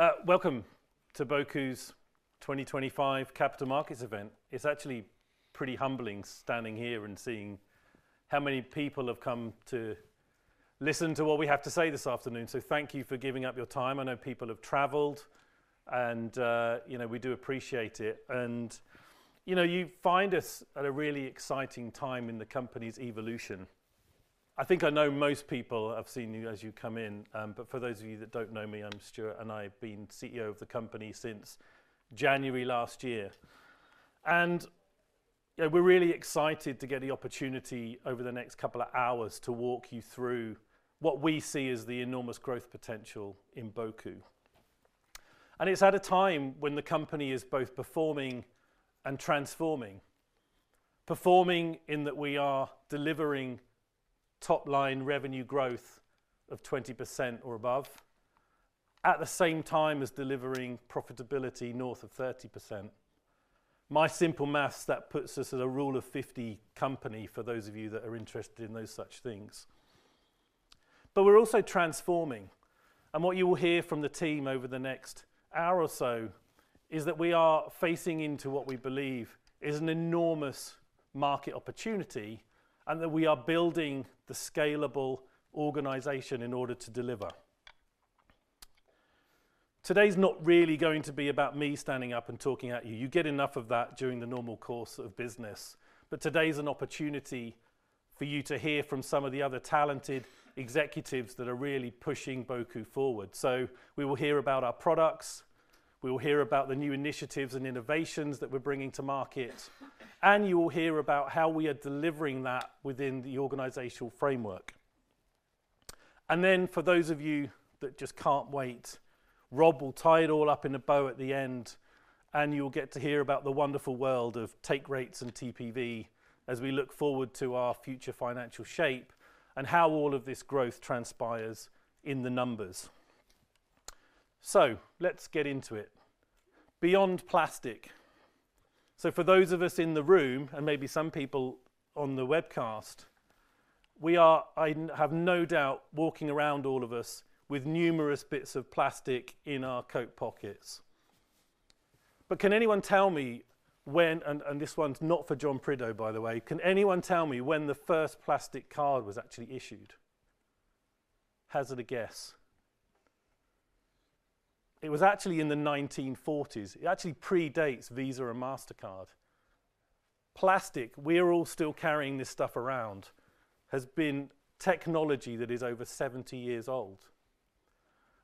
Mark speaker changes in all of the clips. Speaker 1: AWelcome to Boku's 2025 Capital Markets event. It's actually pretty humbling standing here and seeing how many people have come to listen to what we have to say this afternoon. So thank you for giving up your time. I know people have traveled, and, you know, we do appreciate it, and, you know, you find us at a really exciting time in the company's evolution. I think I know most people have seen you as you come in, but for those of you that don't know me, I'm Stuart, and I've been CEO of the company since January last year, and, you know, we're really excited to get the opportunity over the next couple of hours to walk you through what we see as the enormous growth potential in Boku. It's at a time when the company is both performing and transforming, performing in that we are delivering top-line revenue growth of 20% or above at the same time as delivering profitability north of 30%. My simple math that puts us at a Rule of 50 company for those of you that are interested in those such things. We're also transforming. What you will hear from the team over the next hour or so is that we are facing into what we believe is an enormous market opportunity and that we are building the scalable organization in order to deliver. Today's not really going to be about me standing up and talking at you. You get enough of that during the normal course of business. Today's an opportunity for you to hear from some of the other talented executives that are really pushing Boku forward. So we will hear about our products. We will hear about the new initiatives and innovations that we're bringing to market. And you will hear about how we are delivering that within the organizational framework. And then for those of you that just can't wait, Rob will tie it all up in a bow at the end, and you'll get to hear about the wonderful world of take rates and TPV as we look forward to our future financial shape and how all of this growth transpires in the numbers. So let's get into it. Beyond plastic. So for those of us in the room and maybe some people on the webcast, we are, I have no doubt, walking around all of us with numerous bits of plastic in our coat pockets. But can anyone tell me when, and this one's not for Jon Prideaux, by the way, can anyone tell me when the first plastic card was actually issued? Hazard a guess. It was actually in the 1940s. It actually predates Visa and Mastercard. Plastic, we're all still carrying this stuff around, has been technology that is over 70 years old.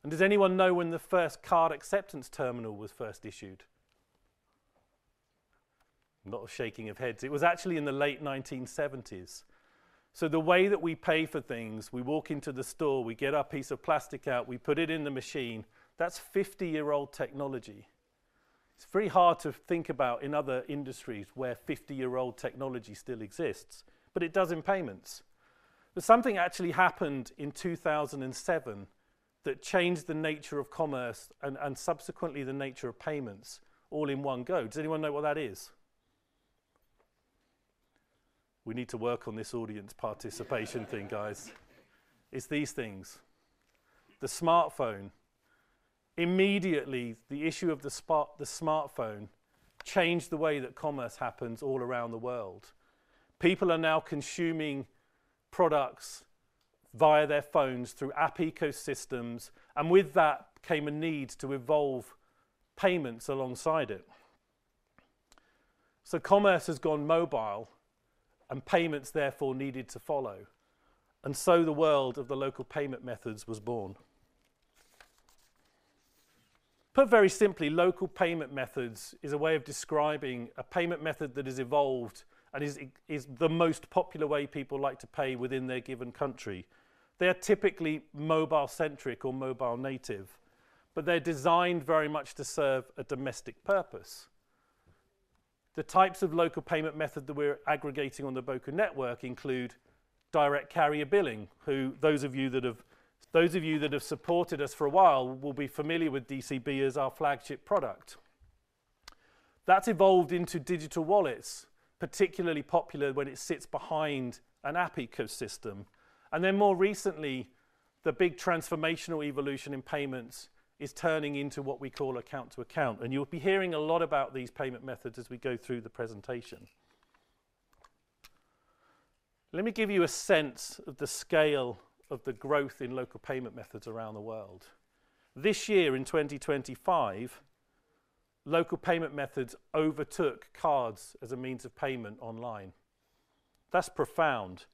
Speaker 1: And does anyone know when the first card acceptance terminal was first issued? A lot of shaking of heads. It was actually in the late 1970s. So the way that we pay for things, we walk into the store, we get our piece of plastic out, we put it in the machine. That's 50-year-old technology. It's very hard to think about in other industries where 50-year-old technology still exists, but it does in payments. Something actually happened in 2007 that changed the nature of commerce and subsequently the nature of payments all in one go. Does anyone know what that is? We need to work on this audience participation thing, guys. It's these things. The smartphone. Immediately, the smartphone changed the way that commerce happens all around the world. People are now consuming products via their phones through app ecosystems. And with that came a need to evolve payments alongside it. So commerce has gone mobile, and payments therefore needed to follow. And so the world of the local payment methods was born. Put very simply, local payment methods is a way of describing a payment method that has evolved and is the most popular way people like to pay within their given country. They are typically mobile-centric or mobile native, but they're designed very much to serve a domestic purpose. The types of local payment method that we're aggregating on the Boku network include Direct Carrier Billing, those of you that have supported us for a while will be familiar with DCB as our flagship product. That's evolved into digital wallets, particularly popular when it sits behind an app ecosystem, and then more recently, the big transformational evolution in payments is turning into what we call account-to-account, and you'll be hearing a lot about these payment methods as we go through the presentation. Let me give you a sense of the scale of the growth in local payment methods around the world. This year in 2025, local payment methods overtook cards as a means of payment online. That's profound.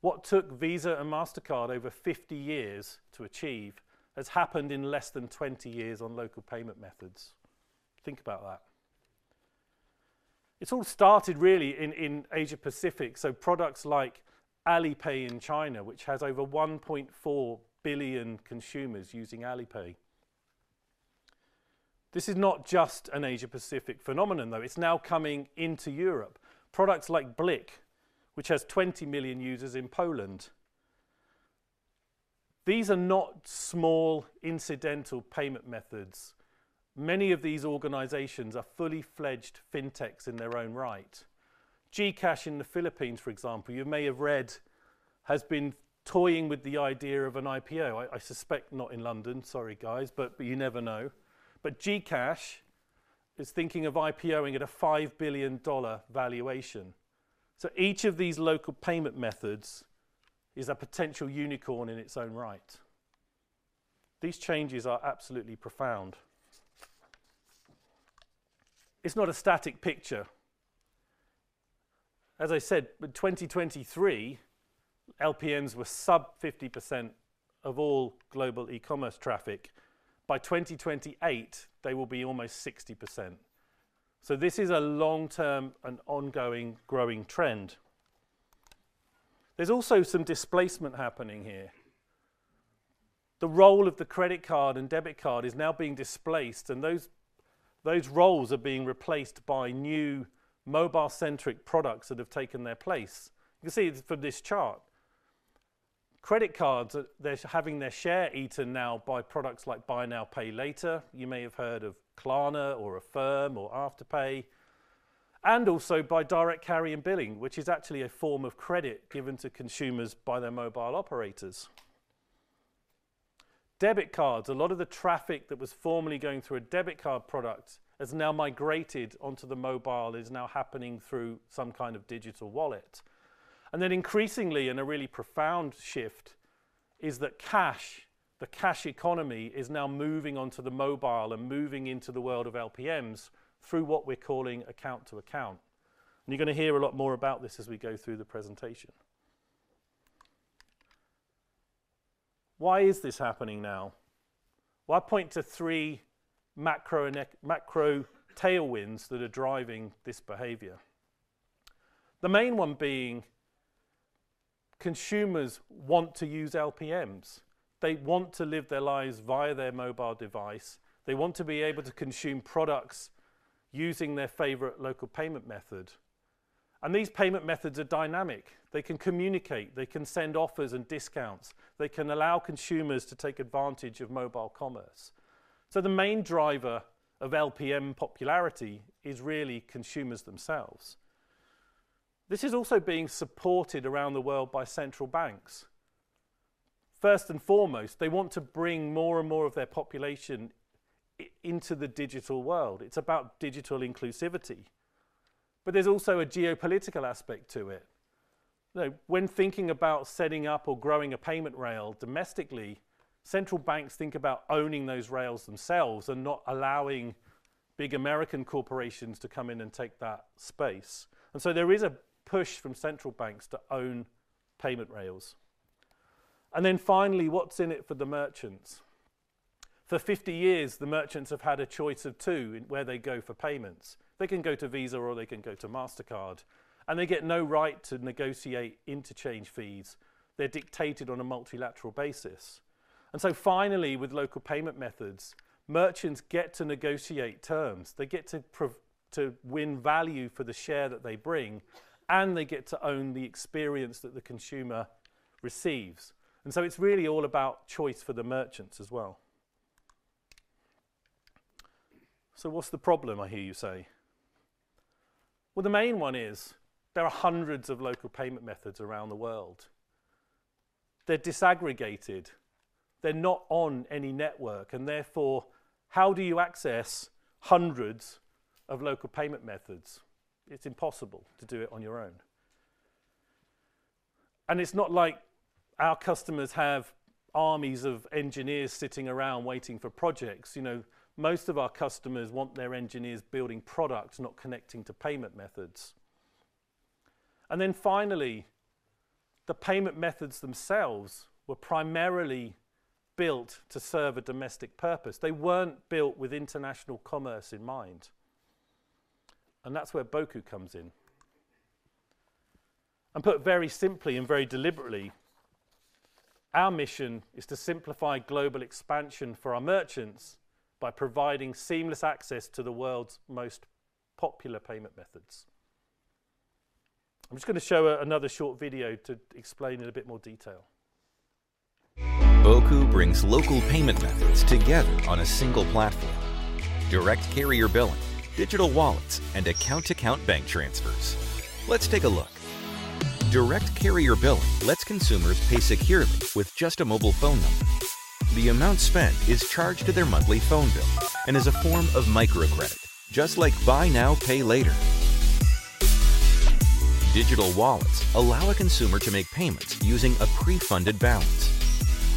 Speaker 1: What took Visa and Mastercard over 50 years to achieve has happened in less than 20 years on local payment methods. Think about that. It's all started really in Asia Pacific. So products like Alipay in China, which has over 1.4 billion consumers using Alipay. This is not just an Asia Pacific phenomenon, though. It's now coming into Europe. Products like BLIK, which has 20 million users in Poland. These are not small incidental payment methods. Many of these organizations are fully-fledged fintechs in their own right. GCash in the Philippines, for example, you may have read, has been toying with the idea of an IPO. I suspect not in London. Sorry, guys, but you never know. But GCash is thinking of IPOing at a $5 billion valuation. So each of these local payment methods is a potential unicorn in its own right. These changes are absolutely profound. It's not a static picture. As I said, in 2023, LPMs were sub-50% of all global e-commerce traffic. By 2028, they will be almost 60%. So this is a long-term and ongoing growing trend. There's also some displacement happening here. The role of the credit card and debit card is now being displaced, and those roles are being replaced by new mobile-centric products that have taken their place. You can see it from this chart. Credit cards, they're having their share eaten now by products like Buy Now Pay Later. You may have heard of Klarna or Affirm or Afterpay. And also by Direct Carrier Billing, which is actually a form of credit given to consumers by their mobile operators. Debit cards, a lot of the traffic that was formerly going through a debit card product has now migrated onto the mobile, is now happening through some kind of digital wallet. And then increasingly, a really profound shift is that cash, the cash economy, is now moving onto the mobile and moving into the world of LPMs through what we're calling account-to-account. And you're gonna hear a lot more about this as we go through the presentation. Why is this happening now? I point to three macro tailwinds that are driving this behavior. The main one being consumers want to use LPMs. They want to live their lives via their mobile device. They want to be able to consume products using their favorite local payment method. And these payment methods are dynamic. They can communicate. They can send offers and discounts. They can allow consumers to take advantage of mobile commerce so the main driver of LPM popularity is really consumers themselves. This is also being supported around the world by central banks. First and foremost, they want to bring more and more of their population into the digital world. It's about digital inclusivity, but there's also a geopolitical aspect to it. You know, when thinking about setting up or growing a payment rail domestically, central banks think about owning those rails themselves and not allowing big American corporations to come in and take that space, and so there is a push from central banks to own payment rails, and then finally, what's in it for the merchants? For 50 years, the merchants have had a choice of two in where they go for payments. They can go to Visa or they can go to Mastercard. And they get no right to negotiate interchange fees. They're dictated on a multilateral basis. And so finally, with local payment methods, merchants get to negotiate terms. They get to prove to win value for the share that they bring, and they get to own the experience that the consumer receives. And so it's really all about choice for the merchants as well. So what's the problem, I hear you say? Well, the main one is there are hundreds of local payment methods around the world. They're disaggregated. They're not on any network. And therefore, how do you access hundreds of local payment methods? It's impossible to do it on your own. And it's not like our customers have armies of engineers sitting around waiting for projects. You know, most of our customers want their engineers building products, not connecting to payment methods. Then finally, the payment methods themselves were primarily built to serve a domestic purpose. They weren't built with international commerce in mind. That's where Boku comes in. Put very simply and very deliberately, our mission is to simplify global expansion for our merchants by providing seamless access to the world's most popular payment methods. I'm just gonna show another short video to explain in a bit more detail.
Speaker 2: Boku brings local payment methods together on a single platform: Direct Carrier Billing, digital wallets, and account-to-account bank transfers. Let's take a look. Direct Carrier Billing lets consumers pay securely with just a mobile phone number. The amount spent is charged to their monthly phone bill and is a form of microcredit, just like Buy Now Pay Later. Digital wallets allow a consumer to make payments using a pre-funded balance.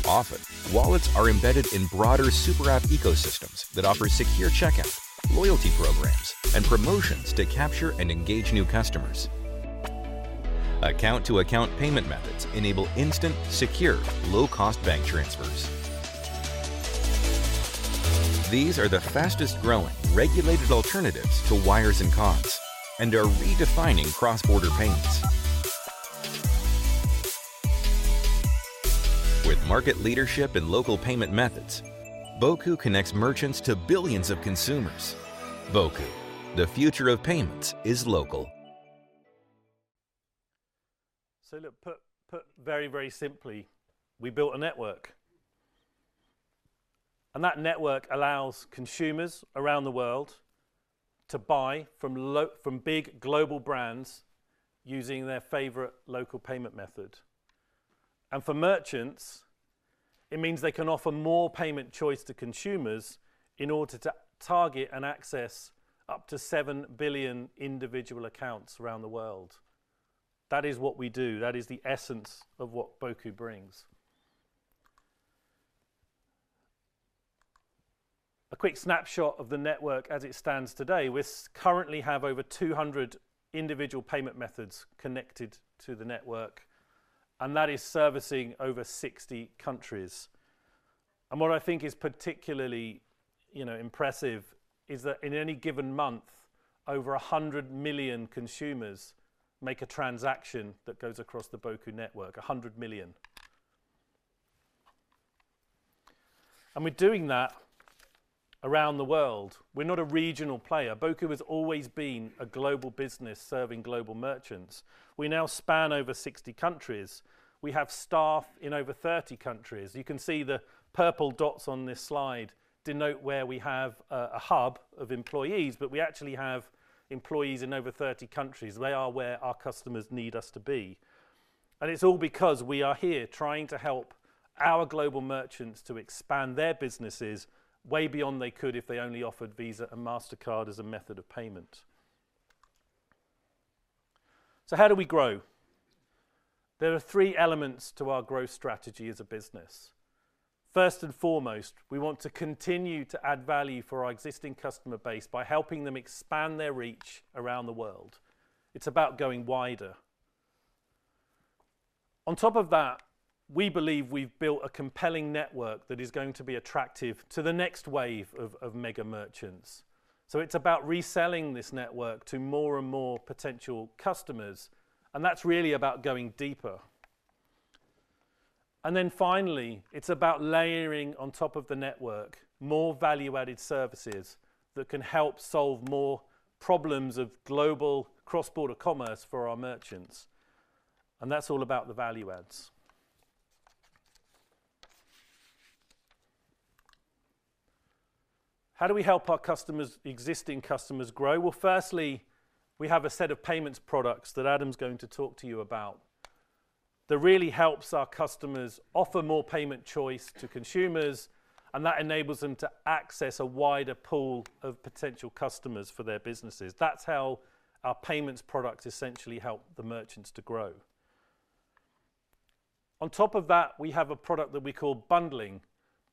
Speaker 2: Often, wallets are embedded in broader super app ecosystems that offer secure checkout, loyalty programs, and promotions to capture and engage new customers. account-to-account payment methods enable instant, secure, low-cost bank transfers. These are the fastest-growing regulated alternatives to wires and cards and are redefining cross-border payments. With market leadership and local payment methods, Boku connects merchants to billions of consumers. Boku, the future of payments, is local.
Speaker 1: So look, put very, very simply, we built a network that allows consumers around the world to buy from big global brands using their favorite local payment method, and for merchants, it means they can offer more payment choice to consumers in order to target and access up to 7 billion individual accounts around the world. That is what we do. That is the essence of what Boku brings. A quick snapshot of the network as it stands today. We currently have over 200 individual payment methods connected to the network, and that is servicing over 60 countries, and what I think is particularly, you know, impressive is that in any given month, over 100 million consumers make a transaction that goes across the Boku network, 100 million, and we're doing that around the world. We're not a regional player. Boku has always been a global business serving global merchants. We now span over 60 countries. We have staff in over 30 countries. You can see the purple dots on this slide denote where we have a hub of employees, but we actually have employees in over 30 countries. They are where our customers need us to be. It's all because we are here trying to help our global merchants to expand their businesses way beyond they could if they only offered Visa and Mastercard as a method of payment. So how do we grow? There are three elements to our growth strategy as a business. First and foremost, we want to continue to add value for our existing customer base by helping them expand their reach around the world. It's about going wider. On top of that, we believe we've built a compelling network that is going to be attractive to the next wave of mega merchants. So it's about reselling this network to more and more potential customers. And that's really about going deeper. And then finally, it's about layering on top of the network more value-added services that can help solve more problems of global cross-border commerce for our merchants. That's all about the value adds. How do we help our customers, existing customers, grow? Firstly, we have a set of payments products that Adam's going to talk to you about. That really helps our customers offer more payment choice to consumers, and that enables them to access a wider pool of potential customers for their businesses. That's how our payments products essentially help the merchants to grow. On top of that, we have a product that we call bundling.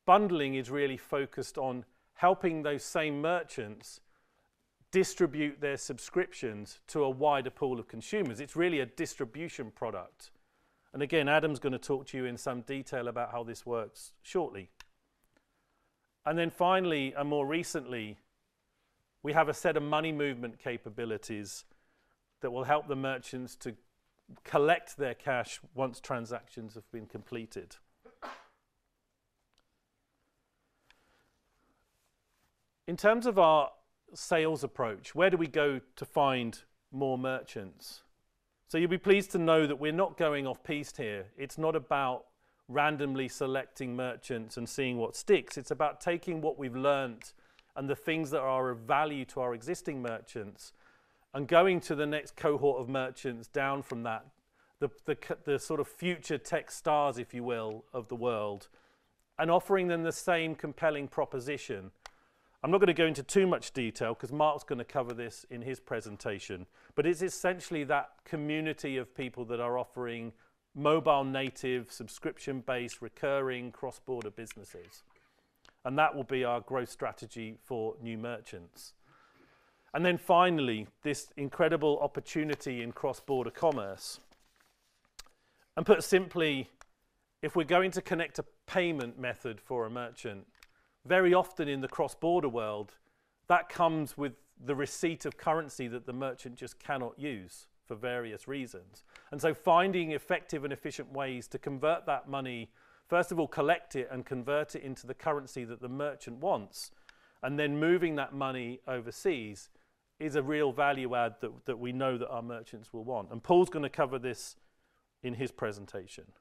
Speaker 1: Bundling is really focused on helping those same merchants distribute their subscriptions to a wider pool of consumers. It's really a distribution product. Again, Adam's gonna talk to you in some detail about how this works shortly. Then finally, and more recently, we have a set of money movement capabilities that will help the merchants to collect their cash once transactions have been completed. In terms of our sales approach, where do we go to find more merchants? So you'll be pleased to know that we're not going off-piste here. It's not about randomly selecting merchants and seeing what sticks. It's about taking what we've learned and the things that are of value to our existing merchants and going to the next cohort of merchants down from that, the sort of future tech stars, if you will, of the world, and offering them the same compelling proposition. I'm not gonna go into too much detail 'cause Mark's gonna cover this in his presentation. But it's essentially that community of people that are offering mobile native subscription-based recurring cross-border businesses, and that will be our growth strategy for new merchants, and then finally, this incredible opportunity in cross-border commerce. Put simply, if we're going to connect a payment method for a merchant, very often in the cross-border world, that comes with the receipt of currency that the merchant just cannot use for various reasons. So finding effective and efficient ways to convert that money, first of all, collect it and convert it into the currency that the merchant wants, and then moving that money overseas is a real value add that we know that our merchants will want. Paul's gonna cover this in his presentation.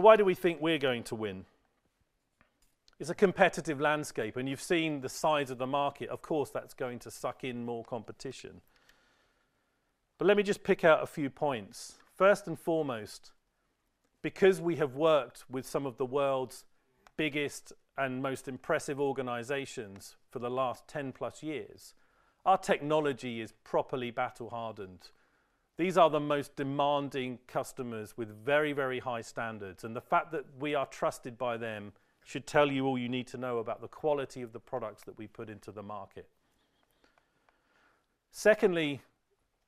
Speaker 1: Why do we think we're going to win? It's a competitive landscape, and you've seen the size of the market. Of course, that's going to suck in more competition. Let me just pick out a few points. First and foremost, because we have worked with some of the world's biggest and most impressive organizations for the last 10-plus years, our technology is properly battle-hardened. These are the most demanding customers with very, very high standards, and the fact that we are trusted by them should tell you all you need to know about the quality of the products that we put into the market. Secondly,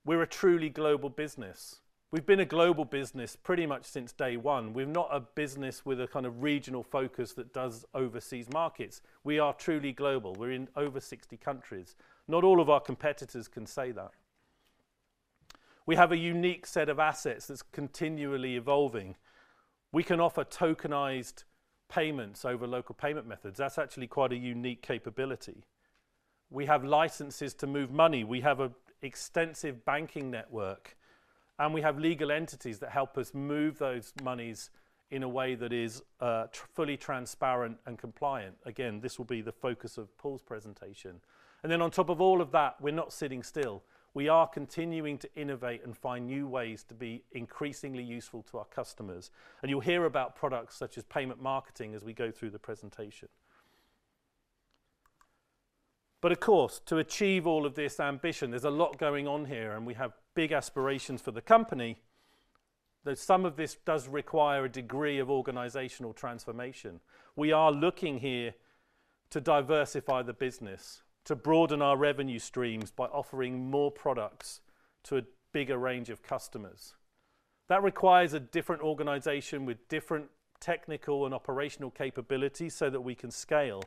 Speaker 1: we're a truly global business. We've been a global business pretty much since day one. We're not a business with a kind of regional focus that does overseas markets. We are truly global. We're in over 60 countries. Not all of our competitors can say that. We have a unique set of assets that's continually evolving. We can offer tokenized payments over local payment methods. That's actually quite a unique capability. We have licenses to move money. We have an extensive banking network, and we have legal entities that help us move those moneys in a way that is fully transparent and compliant. Again, this will be the focus of Paul's presentation, and then on top of all of that, we're not sitting still. We are continuing to innovate and find new ways to be increasingly useful to our customers, and you'll hear about products such as payment marketing as we go through the presentation, but of course, to achieve all of this ambition, there's a lot going on here, and we have big aspirations for the company that some of this does require a degree of organizational transformation. We are looking here to diversify the business, to broaden our revenue streams by offering more products to a bigger range of customers. That requires a different organization with different technical and operational capabilities so that we can scale.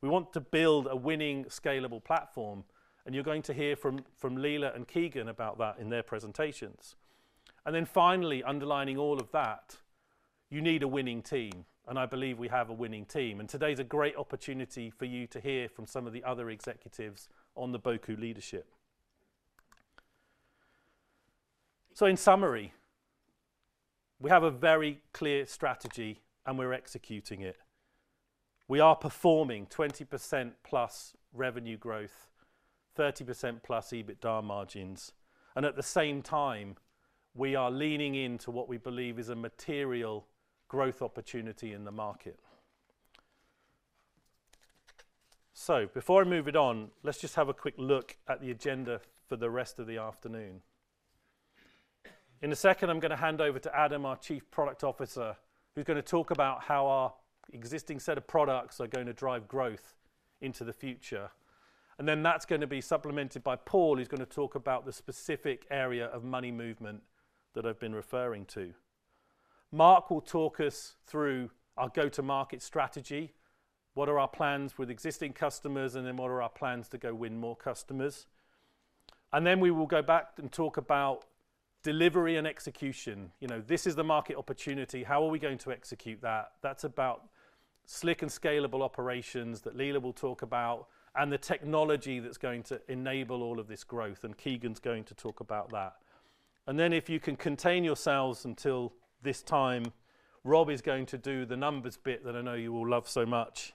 Speaker 1: We want to build a winning, scalable platform. And you're going to hear from Leila and Keegan about that in their presentations. And then finally, underlining all of that, you need a winning team. And I believe we have a winning team. And today's a great opportunity for you to hear from some of the other executives on the Boku leadership. So in summary, we have a very clear strategy, and we're executing it. We are performing 20%-plus revenue growth, 30%-plus EBITDA margins. And at the same time, we are leaning into what we believe is a material growth opportunity in the market. So before I move it on, let's just have a quick look at the agenda for the rest of the afternoon. In a second, I'm gonna hand over to Adam, our Chief Product Officer, who's gonna talk about how our existing set of products are gonna drive growth into the future. And then that's gonna be supplemented by Paul, who's gonna talk about the specific area of money movement that I've been referring to. Mark will talk us through our go-to-market strategy, what are our plans with existing customers, and then what are our plans to go win more customers. And then we will go back and talk about delivery and execution. You know, this is the market opportunity. How are we going to execute that? That's about slick and scalable operations that Leila will talk about and the technology that's going to enable all of this growth. And Keegan's going to talk about that. Then if you can contain yourselves until this time, Rob is going to do the numbers bit that I know you all love so much.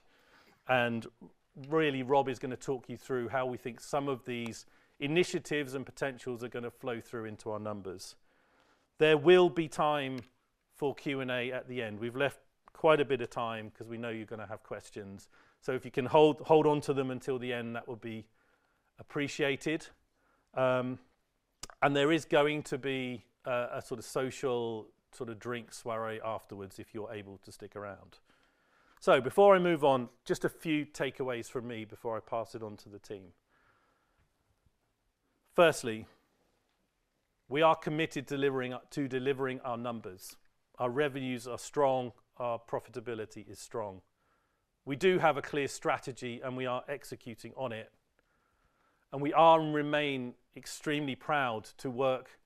Speaker 1: Really, Rob is gonna talk you through how we think some of these initiatives and potentials are gonna flow through into our numbers. There will be time for Q&A at the end. We've left quite a bit of time 'cause we know you're gonna have questions. So if you can hold, hold onto them until the end, that will be appreciated. There is going to be a sort of social drink soiree afterwards if you're able to stick around. So before I move on, just a few takeaways from me before I pass it on to the team. Firstly, we are committed to delivering our numbers. Our revenues are strong. Our profitability is strong. We do have a clear strategy, and we are executing on it, and we are and remain extremely proud to work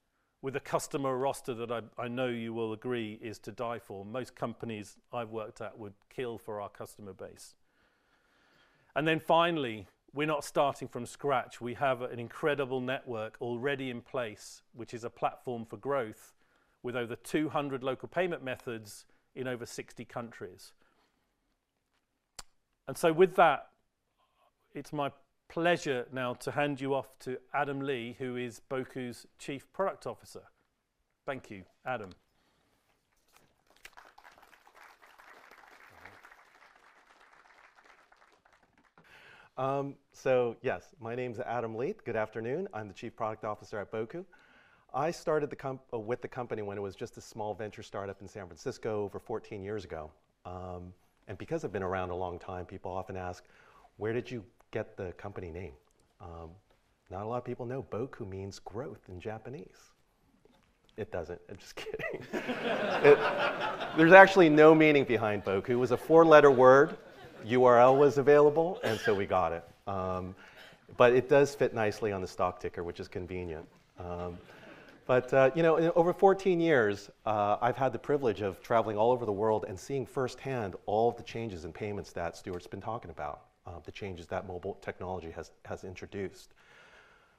Speaker 1: with a customer roster that I, I know you will agree is to die for. Most companies I've worked at would kill for our customer base. And then finally, we're not starting from scratch. We have an incredible network already in place, which is a platform for growth with over 200 local payment methods in over 60 countries. And so with that, it's my pleasure now to hand you off to Adam Lee, who is Boku's Chief Product Officer. Thank you, Adam.
Speaker 3: So yes, my name's Adam Lee. Good afternoon. I'm the Chief Product Officer at Boku. I started with the company when it was just a small venture startup in San Francisco over 14 years ago. And because I've been around a long time, people often ask, "Where did you get the company name?" Not a lot of people know Boku means growth in Japanese. It doesn't. I'm just kidding. There's actually no meaning behind Boku. It was a four-letter word. URL was available, and so we got it. But it does fit nicely on the stock ticker, which is convenient. But, you know, in over 14 years, I've had the privilege of traveling all over the world and seeing firsthand all of the changes in payments that Stuart's been talking about, the changes that mobile technology has introduced.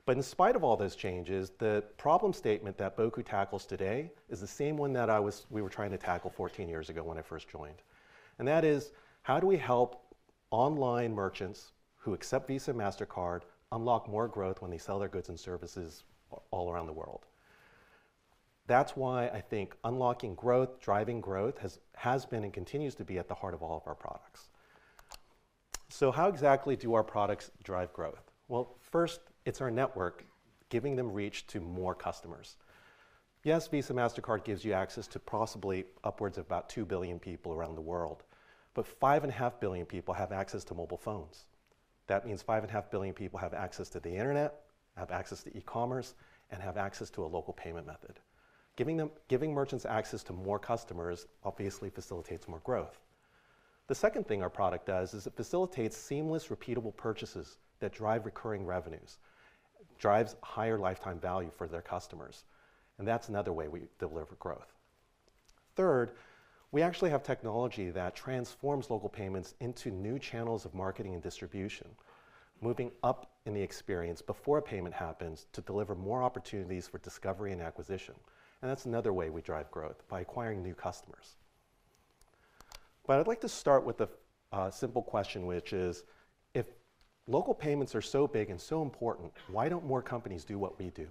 Speaker 3: But in spite of all those changes, the problem statement that Boku tackles today is the same one that we were trying to tackle 14 years ago when I first joined. That is, how do we help online merchants who accept Visa and Mastercard unlock more growth when they sell their goods and services all around the world? That's why I think unlocking growth, driving growth, has been and continues to be at the heart of all of our products. How exactly do our products drive growth? First, it's our network giving them reach to more customers. Yes, Visa and Mastercard gives you access to possibly upwards of about 2 billion people around the world, but 5.5 billion people have access to mobile phones. That means 5.5 billion people have access to the internet, have access to e-commerce, and have access to a local payment method. Giving merchants access to more customers obviously facilitates more growth. The second thing our product does is it facilitates seamless, repeatable purchases that drive recurring revenues, drives higher lifetime value for their customers. And that's another way we deliver growth. Third, we actually have technology that transforms local payments into new channels of marketing and distribution, moving up in the experience before a payment happens to deliver more opportunities for discovery and acquisition. And that's another way we drive growth by acquiring new customers. But I'd like to start with a simple question, which is, if local payments are so big and so important, why don't more companies do what we do?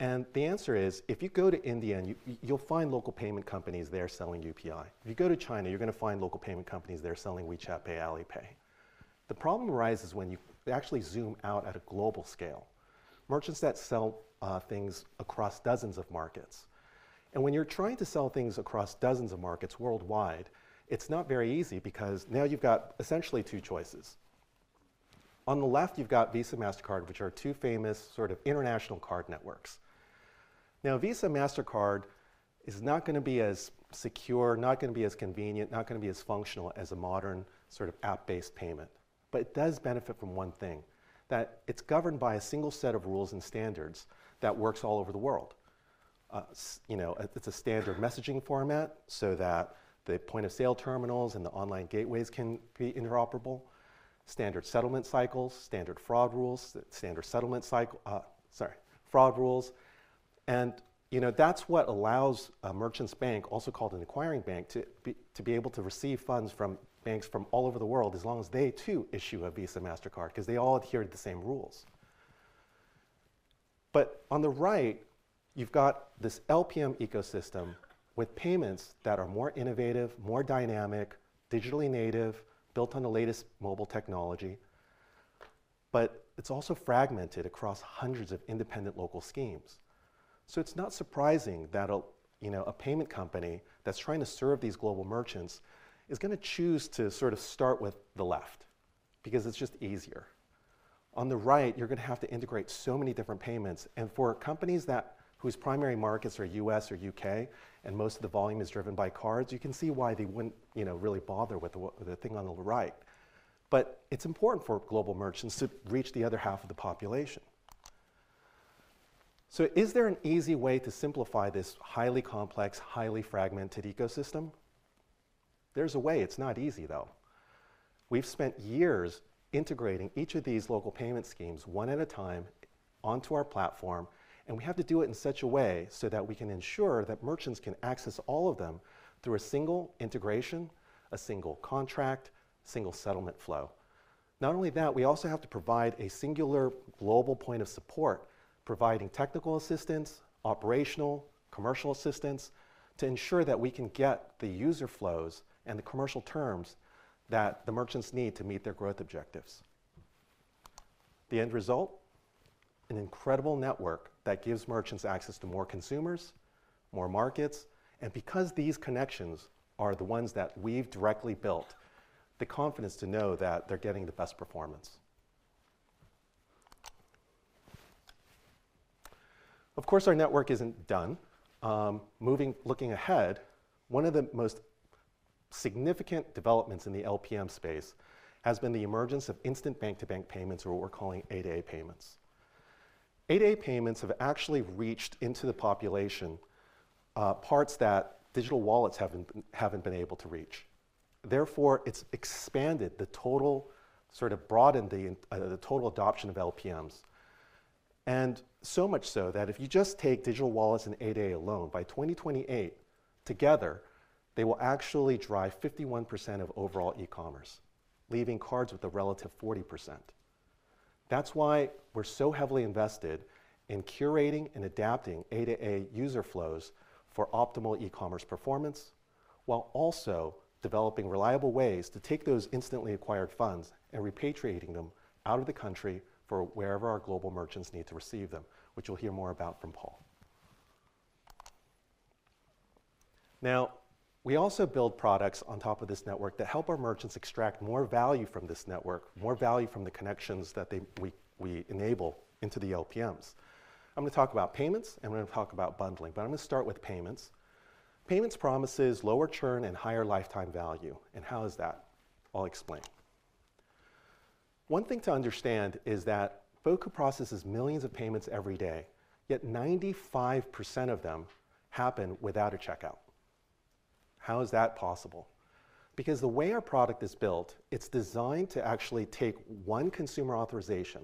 Speaker 3: And the answer is, if you go to India, you'll find local payment companies there selling UPI. If you go to China, you're gonna find local payment companies there selling WeChat Pay, Alipay. The problem arises when you actually zoom out at a global scale. Merchants that sell things across dozens of markets. When you're trying to sell things across dozens of markets worldwide, it's not very easy because now you've got essentially two choices. On the left, you've got Visa and Mastercard, which are two famous sort of international card networks. Now, Visa and Mastercard is not gonna be as secure, not gonna be as convenient, not gonna be as functional as a modern sort of app-based payment. But it does benefit from one thing, that it's governed by a single set of rules and standards that works all over the world. You know, it's a standard messaging format so that the point-of-sale terminals and the online gateways can be interoperable, standard settlement cycles, standard fraud rules. You know, that's what allows a merchant's bank, also called an acquiring bank, to be able to receive funds from banks from all over the world as long as they too issue a Visa and Mastercard 'cause they all adhere to the same rules. But on the right, you've got this LPM ecosystem with payments that are more innovative, more dynamic, digitally native, built on the latest mobile technology. But it's also fragmented across hundreds of independent local schemes. So it's not surprising that you know a payment company that's trying to serve these global merchants is gonna choose to sort of start with the left because it's just easier. On the right, you're gonna have to integrate so many different payments. For companies whose primary markets are U.S. or U.K. and most of the volume is driven by cards, you can see why they wouldn't, you know, really bother with the thing on the right. But it's important for global merchants to reach the other half of the population. Is there an easy way to simplify this highly complex, highly fragmented ecosystem? There's a way. It's not easy, though. We've spent years integrating each of these local payment schemes one at a time onto our platform, and we have to do it in such a way so that we can ensure that merchants can access all of them through a single integration, a single contract, single settlement flow. Not only that, we also have to provide a singular global point of support, providing technical assistance, operational, commercial assistance to ensure that we can get the user flows and the commercial terms that the merchants need to meet their growth objectives. The end result? An incredible network that gives merchants access to more consumers, more markets, and because these connections are the ones that we've directly built, the confidence to know that they're getting the best performance. Of course, our network isn't done moving. Looking ahead, one of the most significant developments in the LPM space has been the emergence of instant bank-to-bank payments, or what we're calling A2A payments. A2A payments have actually reached into the population, parts that digital wallets haven't been able to reach. Therefore, it's expanded the total, sort of broadened the adoption of LPMs. And so much so that if you just take digital wallets and A2A alone, by 2028, together, they will actually drive 51% of overall e-commerce, leaving cards with a relative 40%. That's why we're so heavily invested in curating and adapting A2A user flows for optimal e-commerce performance while also developing reliable ways to take those instantly acquired funds and repatriating them out of the country for wherever our global merchants need to receive them, which you'll hear more about from Paul. Now, we also build products on top of this network that help our merchants extract more value from this network, more value from the connections that we enable into the LPMs. I'm gonna talk about payments, and I'm gonna talk about bundling. But I'm gonna start with payments. Payments promises lower churn and higher lifetime value. How is that? I'll explain. One thing to understand is that Boku processes millions of payments every day, yet 95% of them happen without a checkout. How is that possible? Because the way our product is built, it's designed to actually take one consumer authorization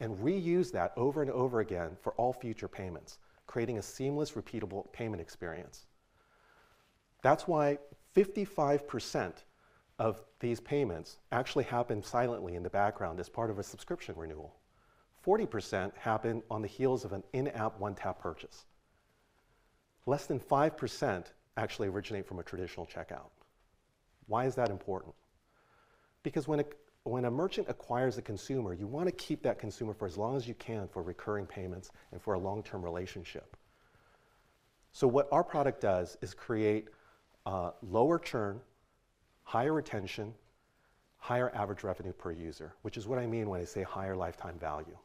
Speaker 3: and reuse that over and over again for all future payments, creating a seamless, repeatable payment experience. That's why 55% of these payments actually happen silently in the background as part of a subscription renewal. 40% happen on the heels of an in-app one-tap purchase. Less than 5% actually originate from a traditional checkout. Why is that important? Because when a merchant acquires a consumer, you wanna keep that consumer for as long as you can for recurring payments and for a long-term relationship. What our product does is create lower churn, higher retention, higher average revenue per user, which is what I mean when I say higher lifetime value.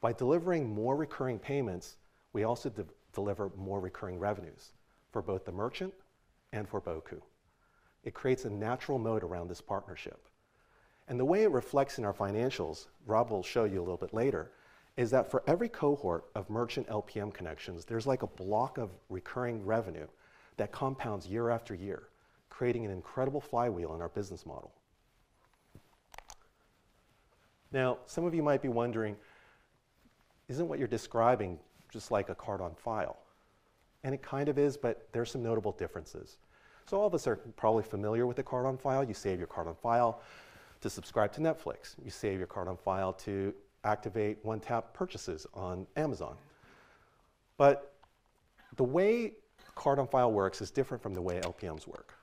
Speaker 3: By delivering more recurring payments, we also deliver more recurring revenues for both the merchant and for Boku. It creates a natural moat around this partnership. And the way it reflects in our financials, Rob will show you a little bit later, is that for every cohort of merchant LPM connections, there's like a block of recurring revenue that compounds year after year, creating an incredible flywheel in our business model. Now, some of you might be wondering, isn't what you're describing just like a card on file? And it kind of is, but there's some notable differences. So all of us are probably familiar with a card on file. You save your card on file to subscribe to Netflix. You save your card on file to activate one-tap purchases on Amazon. But the way card on file works is different from the way LPMs work.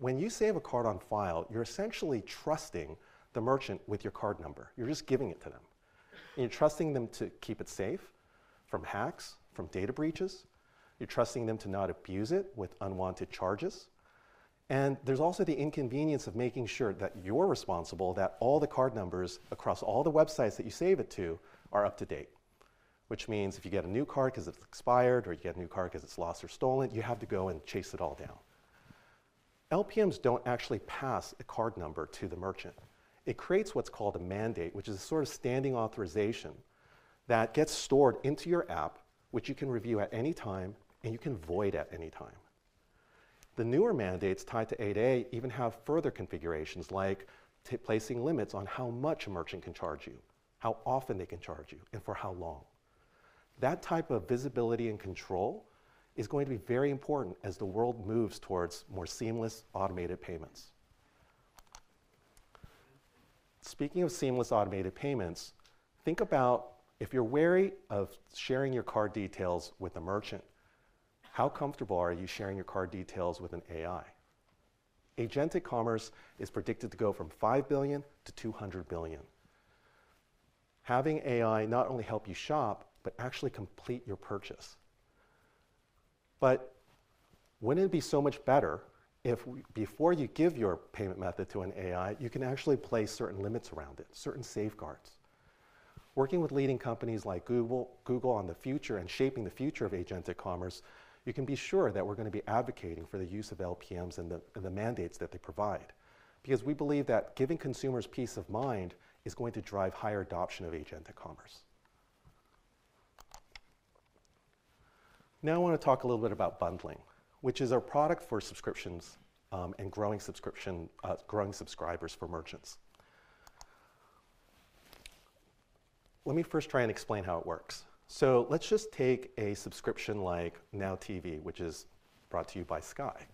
Speaker 3: When you save a card on file, you're essentially trusting the merchant with your card number. You're just giving it to them. You're trusting them to keep it safe from hacks, from data breaches. You're trusting them to not abuse it with unwanted charges. And there's also the inconvenience of making sure that you're responsible, that all the card numbers across all the websites that you save it to are up to date, which means if you get a new card 'cause it's expired or you get a new card 'cause it's lost or stolen, you have to go and chase it all down. LPMs don't actually pass a card number to the merchant. It creates what's called a mandate, which is a sort of standing authorization that gets stored into your app, which you can review at any time and you can void at any time. The newer mandates tied to A2A even have further configurations like placing limits on how much a merchant can charge you, how often they can charge you, and for how long. That type of visibility and control is going to be very important as the world moves towards more seamless automated payments. Speaking of seamless automated payments, think about if you're wary of sharing your card details with a merchant, how comfortable are you sharing your card details with an AI? Agentic commerce is predicted to go from 5 billion to 200 billion. Having AI not only help you shop, but actually complete your purchase. Wouldn't it be so much better if before you give your payment method to an AI, you can actually place certain limits around it, certain safeguards? Working with leading companies like Google on the future, and shaping the future of agentic commerce, you can be sure that we're gonna be advocating for the use of LPMs and the mandates that they provide because we believe that giving consumers peace of mind is going to drive higher adoption of agentic commerce. Now I wanna talk a little bit about bundling, which is our product for subscriptions, and growing subscribers for merchants. Let me first try and explain how it works. So let's just take a subscription like NOW TV, which is brought to you by Sky.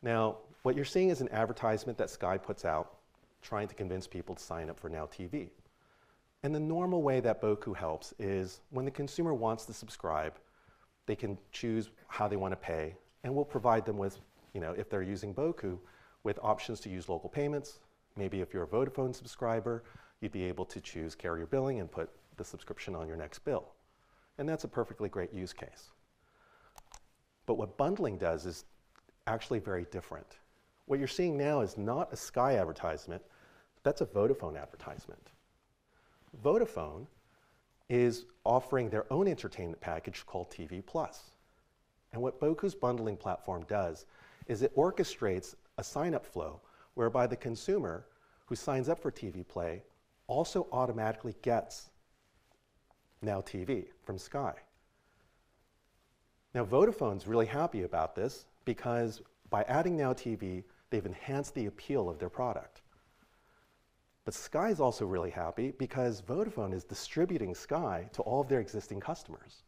Speaker 3: Now, what you're seeing is an advertisement that Sky puts out trying to convince people to sign up for NOW TV. And the normal way that Boku helps is when the consumer wants to subscribe, they can choose how they wanna pay, and we'll provide them with, you know, if they're using Boku, with options to use local payments. Maybe if you're a Vodafone subscriber, you'd be able to choose carrier billing and put the subscription on your next bill. And that's a perfectly great use case. But what bundling does is actually very different. What you're seeing now is not a Sky advertisement. That's a Vodafone advertisement. Vodafone is offering their own entertainment package called TV PLUS. And what Boku's bundling platform does is it orchestrates a sign-up flow whereby the consumer who signs up for TV PLUS also automatically gets NOW TV from Sky. Now, Vodafone's really happy about this because by adding NOW TV, they've enhanced the appeal of their product. But Sky's also really happy because Vodafone is distributing Sky to all of their existing customers.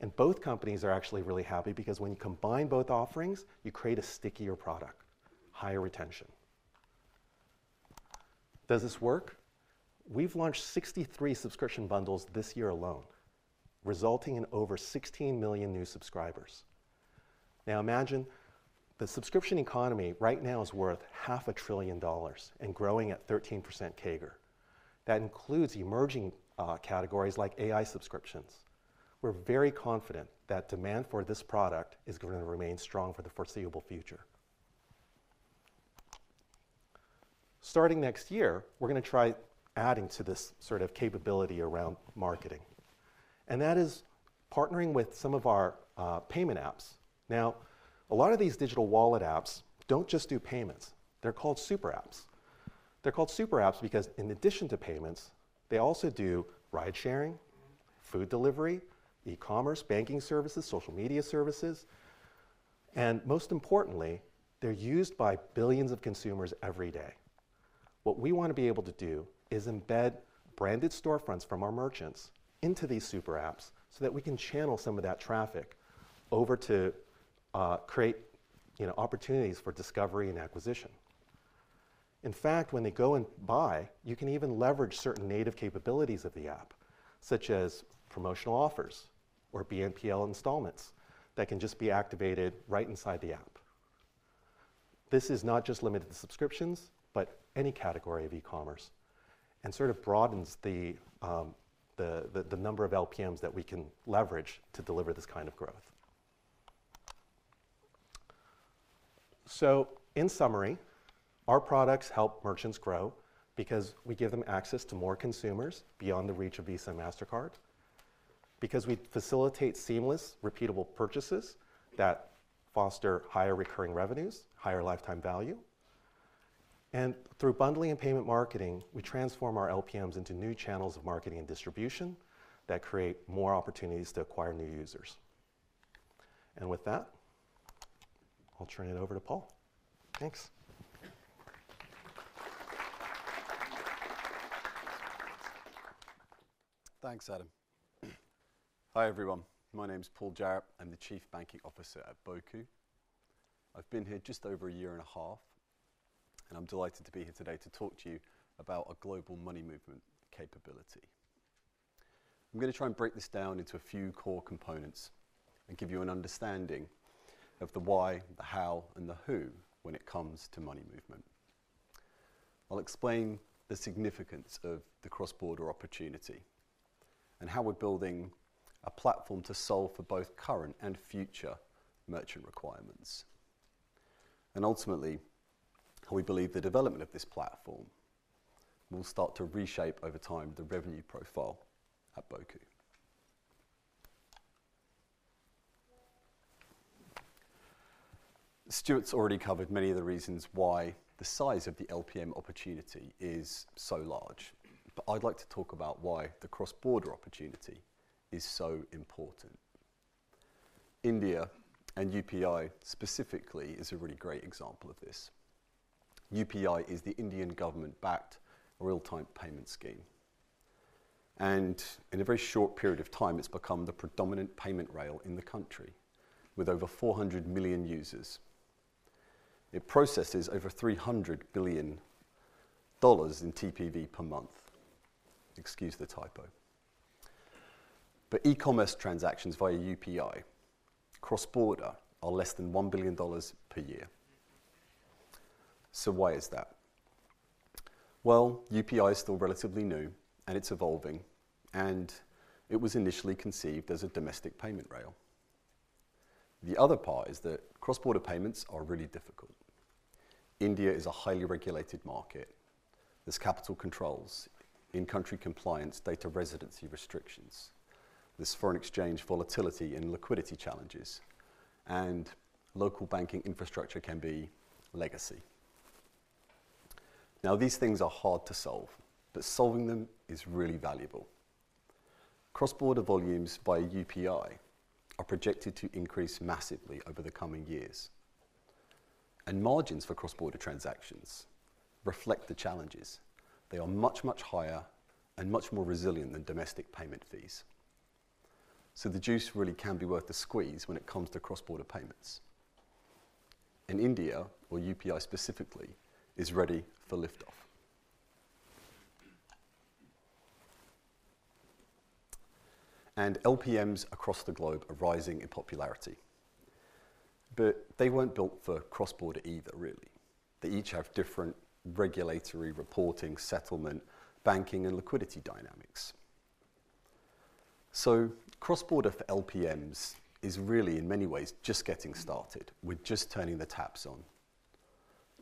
Speaker 3: And both companies are actually really happy because when you combine both offerings, you create a stickier product, higher retention. Does this work? We've launched 63 subscription bundles this year alone, resulting in over 16 million new subscribers. Now imagine the subscription economy right now is worth $500 billion and growing at 13% CAGR. That includes emerging categories like AI subscriptions. We're very confident that demand for this product is gonna remain strong for the foreseeable future. Starting next year, we're gonna try adding to this sort of capability around marketing. And that is partnering with some of our payment apps. Now, a lot of these digital wallet apps don't just do payments. They're called super apps. They're called super apps because in addition to payments, they also do ride-sharing, food delivery, e-commerce, banking services, social media services, and most importantly, they're used by billions of consumers every day. What we wanna be able to do is embed branded storefronts from our merchants into these super apps so that we can channel some of that traffic over to, create, you know, opportunities for discovery and acquisition. In fact, when they go and buy, you can even leverage certain native capabilities of the app, such as promotional offers or BNPL installments that can just be activated right inside the app. This is not just limited to subscriptions, but any category of e-commerce and sort of broadens the number of LPMs that we can leverage to deliver this kind of growth. So in summary, our products help merchants grow because we give them access to more consumers beyond the reach of Visa and Mastercard, because we facilitate seamless, repeatable purchases that foster higher recurring revenues, higher lifetime value. And through bundling and payment marketing, we transform our LPMs into new channels of marketing and distribution that create more opportunities to acquire new users. And with that, I'll turn it over to Paul. Thanks.
Speaker 4: Thanks, Adam. Hi everyone. My name's Paul Jarrett. I'm the Chief Banking Officer at Boku. I've been here just over a year and a half, and I'm delighted to be here today to talk to you about a global money movement capability. I'm gonna try and break this down into a few core components and give you an understanding of the why, the how, and the who when it comes to money movement. I'll explain the significance of the cross-border opportunity and how we're building a platform to solve for both current and future merchant requirements, and ultimately, we believe the development of this platform will start to reshape over time the revenue profile at Boku. Stuart's already covered many of the reasons why the size of the LPM opportunity is so large, but I'd like to talk about why the cross-border opportunity is so important. India and UPI specifically is a really great example of this. UPI is the Indian government-backed real-time payment scheme. And in a very short period of time, it's become the predominant payment rail in the country with over 400 million users. It processes over $300 billion in TPV per month. Excuse the typo. But e-commerce transactions via UPI cross-border are less than $1 billion per year. So why is that? Well, UPI is still relatively new and it's evolving, and it was initially conceived as a domestic payment rail. The other part is that cross-border payments are really difficult. India is a highly regulated market. There's capital controls, in-country compliance, data residency restrictions. There's foreign exchange volatility and liquidity challenges, and local banking infrastructure can be legacy. Now, these things are hard to solve, but solving them is really valuable. Cross-border volumes by UPI are projected to increase massively over the coming years, and margins for cross-border transactions reflect the challenges. They are much, much higher and much more resilient than domestic payment fees, so the juice really can be worth the squeeze when it comes to cross-border payments, and India, or UPI specifically, is ready for liftoff, and LPMs across the globe are rising in popularity, but they weren't built for cross-border either, really. They each have different regulatory reporting, settlement, banking, and liquidity dynamics, so cross-border for LPMs is really, in many ways, just getting started. We're just turning the taps on.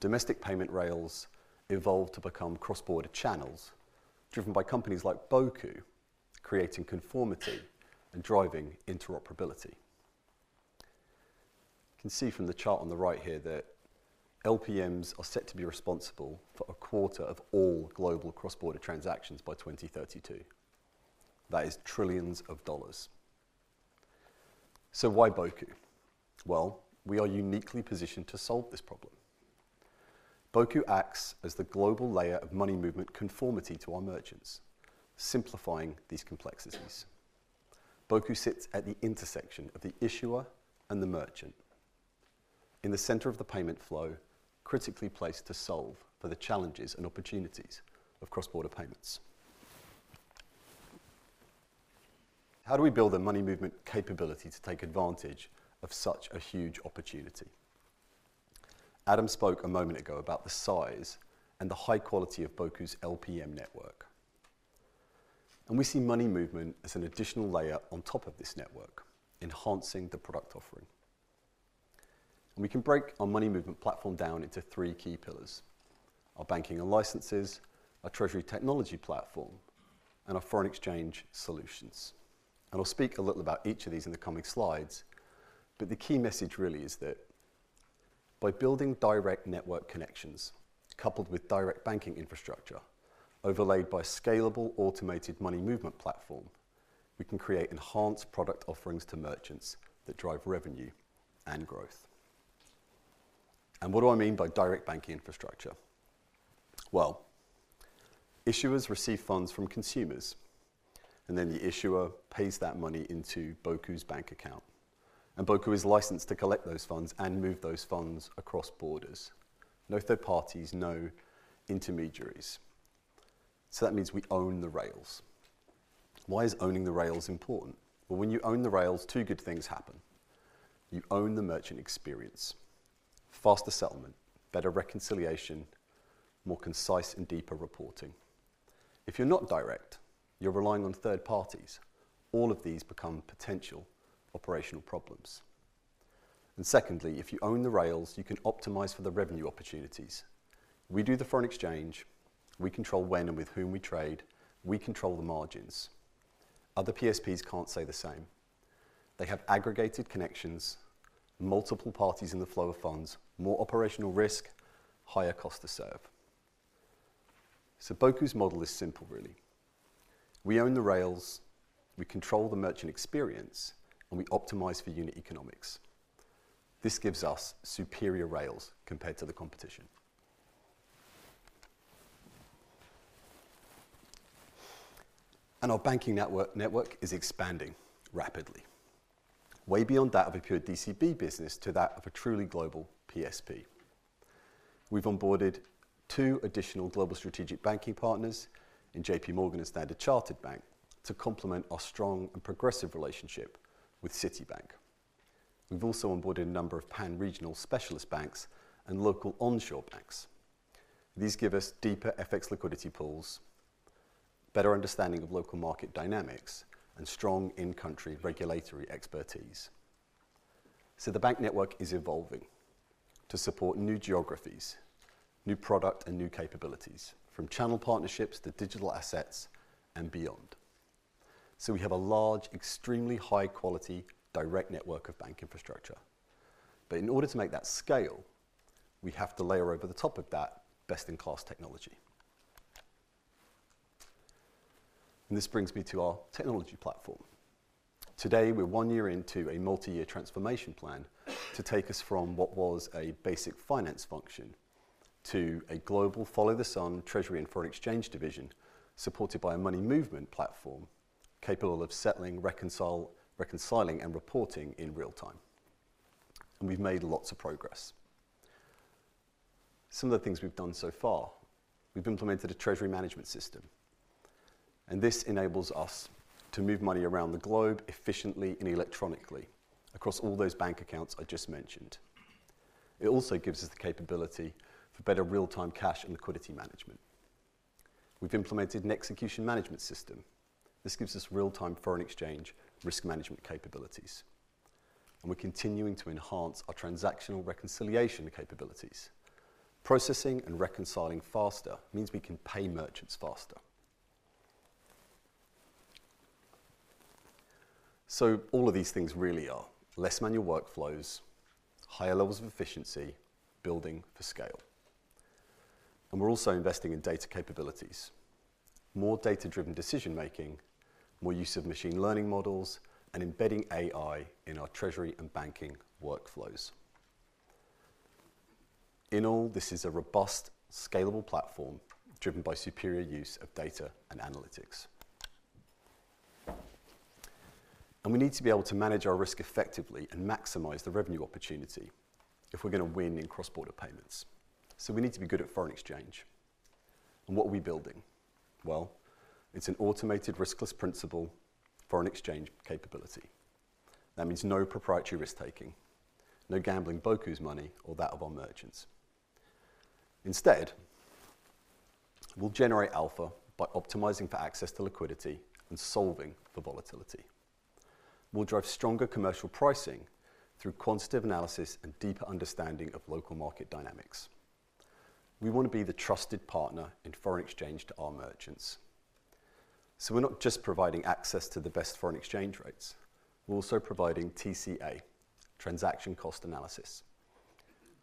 Speaker 4: Domestic payment rails evolve to become cross-border channels driven by companies like Boku, creating conformity and driving interoperability. You can see from the chart on the right here that LPMs are set to be responsible for a quarter of all global cross-border transactions by 2032. That is trillions of dollars. So why Boku? Well, we are uniquely positioned to solve this problem. Boku acts as the global layer of money movement conformity to our merchants, simplifying these complexities. Boku sits at the intersection of the issuer and the merchant in the center of the payment flow, critically placed to solve for the challenges and opportunities of cross-border payments. How do we build a money movement capability to take advantage of such a huge opportunity? Adam spoke a moment ago about the size and the high quality of Boku's LPM network. And we see money movement as an additional layer on top of this network, enhancing the product offering. And we can break our money movement platform down into three key pillars: our banking and licenses, our treasury technology platform, and our foreign exchange solutions. I'll speak a little about each of these in the coming slides, but the key message really is that by building direct network connections coupled with direct banking infrastructure overlaid by a scalable automated money movement platform, we can create enhanced product offerings to merchants that drive revenue and growth. What do I mean by direct banking infrastructure? Issuers receive funds from consumers, and then the issuer pays that money into Boku's bank account. Boku is licensed to collect those funds and move those funds across borders. No third parties, no intermediaries. That means we own the rails. Why is owning the rails important? When you own the rails, two good things happen. You own the merchant experience: faster settlement, better reconciliation, more concise and deeper reporting. If you're not direct, you're relying on third parties. All of these become potential operational problems. And secondly, if you own the rails, you can optimize for the revenue opportunities. We do the foreign exchange. We control when and with whom we trade. We control the margins. Other PSPs can't say the same. They have aggregated connections, multiple parties in the flow of funds, more operational risk, higher cost to serve. So Boku's model is simple, really. We own the rails, we control the merchant experience, and we optimize for unit economics. This gives us superior rails compared to the competition. And our banking network is expanding rapidly, way beyond that of a pure DCB business to that of a truly global PSP. We've onboarded two additional global strategic banking partners in J.P. Morgan and Standard Chartered Bank to complement our strong and progressive relationship with Citibank. We've also onboarded a number of pan-regional specialist banks and local onshore banks. These give us deeper FX liquidity pools, better understanding of local market dynamics, and strong in-country regulatory expertise, so the bank network is evolving to support new geographies, new product, and new capabilities, from channel partnerships to digital assets and beyond, so we have a large, extremely high-quality direct network of bank infrastructure, but in order to make that scale, we have to layer over the top of that best-in-class technology, and this brings me to our technology platform. Today, we're one year into a multi-year transformation plan to take us from what was a basic finance function to a global follow-the-sun treasury and foreign exchange division supported by a money movement platform capable of settling, reconciling, and reporting in real time, and we've made lots of progress. Some of the things we've done so far, we've implemented a treasury management system, and this enables us to move money around the globe efficiently and electronically across all those bank accounts I just mentioned. It also gives us the capability for better real-time cash and liquidity management. We've implemented an execution management system. This gives us real-time foreign exchange risk management capabilities. And we're continuing to enhance our transactional reconciliation capabilities. Processing and reconciling faster means we can pay merchants faster. So all of these things really are less manual workflows, higher levels of efficiency, building for scale. And we're also investing in data capabilities: more data-driven decision-making, more use of machine learning models, and embedding AI in our treasury and banking workflows. In all, this is a robust, scalable platform driven by superior use of data and analytics. And we need to be able to manage our risk effectively and maximize the revenue opportunity if we're gonna win in cross-border payments. So we need to be good at foreign exchange. And what are we building? Well, it's an automated riskless principal foreign exchange capability. That means no proprietary risk-taking, no gambling Boku's money or that of our merchants. Instead, we'll generate alpha by optimizing for access to liquidity and solving for volatility. We'll drive stronger commercial pricing through quantitative analysis and deeper understanding of local market dynamics. We wanna be the trusted partner in foreign exchange to our merchants. So we're not just providing access to the best foreign exchange rates. We're also providing TCA, transaction cost analysis.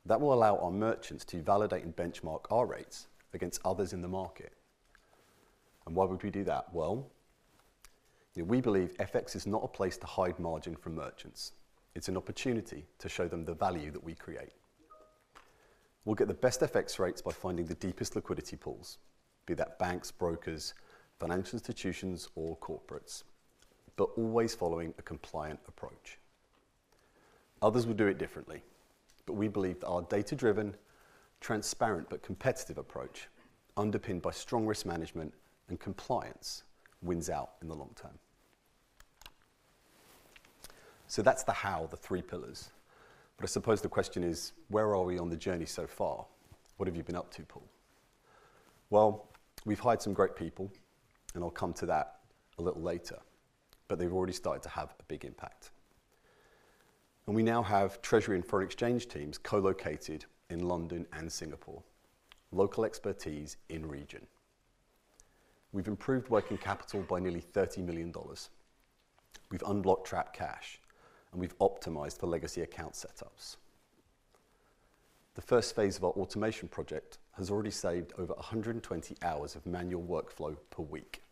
Speaker 4: That will allow our merchants to validate and benchmark our rates against others in the market. And why would we do that? Well, you know, we believe FX is not a place to hide margin from merchants. It's an opportunity to show them the value that we create. We'll get the best FX rates by finding the deepest liquidity pools, be that banks, brokers, financial institutions, or corporates, but always following a compliant approach. Others will do it differently, but we believe that our data-driven, transparent, but competitive approach, underpinned by strong risk management and compliance, wins out in the long term. So that's the how, the three pillars. But I suppose the question is, where are we on the journey so far? What have you been up to, Paul? Well, we've hired some great people, and I'll come to that a little later, but they've already started to have a big impact. And we now have treasury and foreign exchange teams co-located in London and Singapore, local expertise in region. We've improved working capital by nearly $30 million. We've unblocked trapped cash, and we've optimized for legacy account setups. The first phase of our automation project has already saved over 120 hours of manual workflow per week,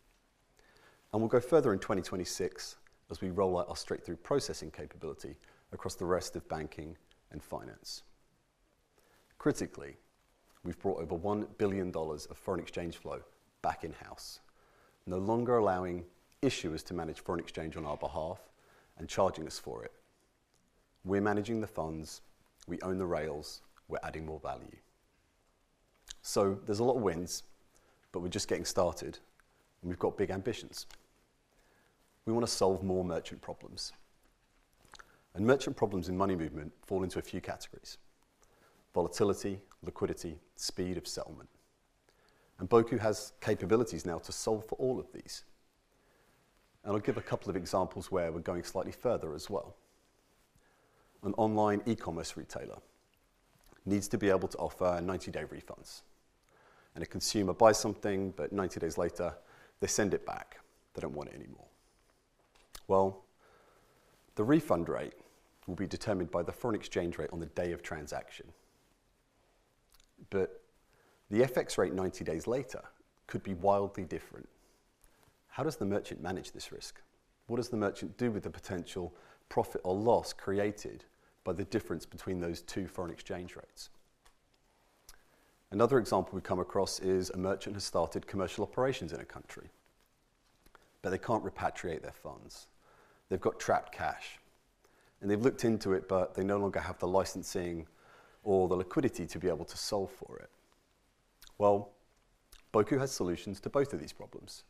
Speaker 4: and we'll go further in 2026 as we roll out our straight-through processing capability across the rest of banking and finance. Critically, we've brought over $1 billion of foreign exchange flow back in-house, no longer allowing issuers to manage foreign exchange on our behalf and charging us for it. We're managing the funds. We own the rails. We're adding more value, so there's a lot of wins, but we're just getting started, and we've got big ambitions. We wanna solve more merchant problems, and merchant problems in money movement fall into a few categories: volatility, liquidity, speed of settlement, and Boku has capabilities now to solve for all of these. I'll give a couple of examples where we're going slightly further as well. An online e-commerce retailer needs to be able to offer 90-day refunds. A consumer buys something, but 90 days later, they send it back. They don't want it anymore. The refund rate will be determined by the foreign exchange rate on the day of transaction. But the FX rate 90 days later could be wildly different. How does the merchant manage this risk? What does the merchant do with the potential profit or loss created by the difference between those two foreign exchange rates? Another example we come across is a merchant has started commercial operations in a country, but they can't repatriate their funds. They've got trapped cash, and they've looked into it, but they no longer have the licensing or the liquidity to be able to solve for it. Boku has solutions to both of these problems.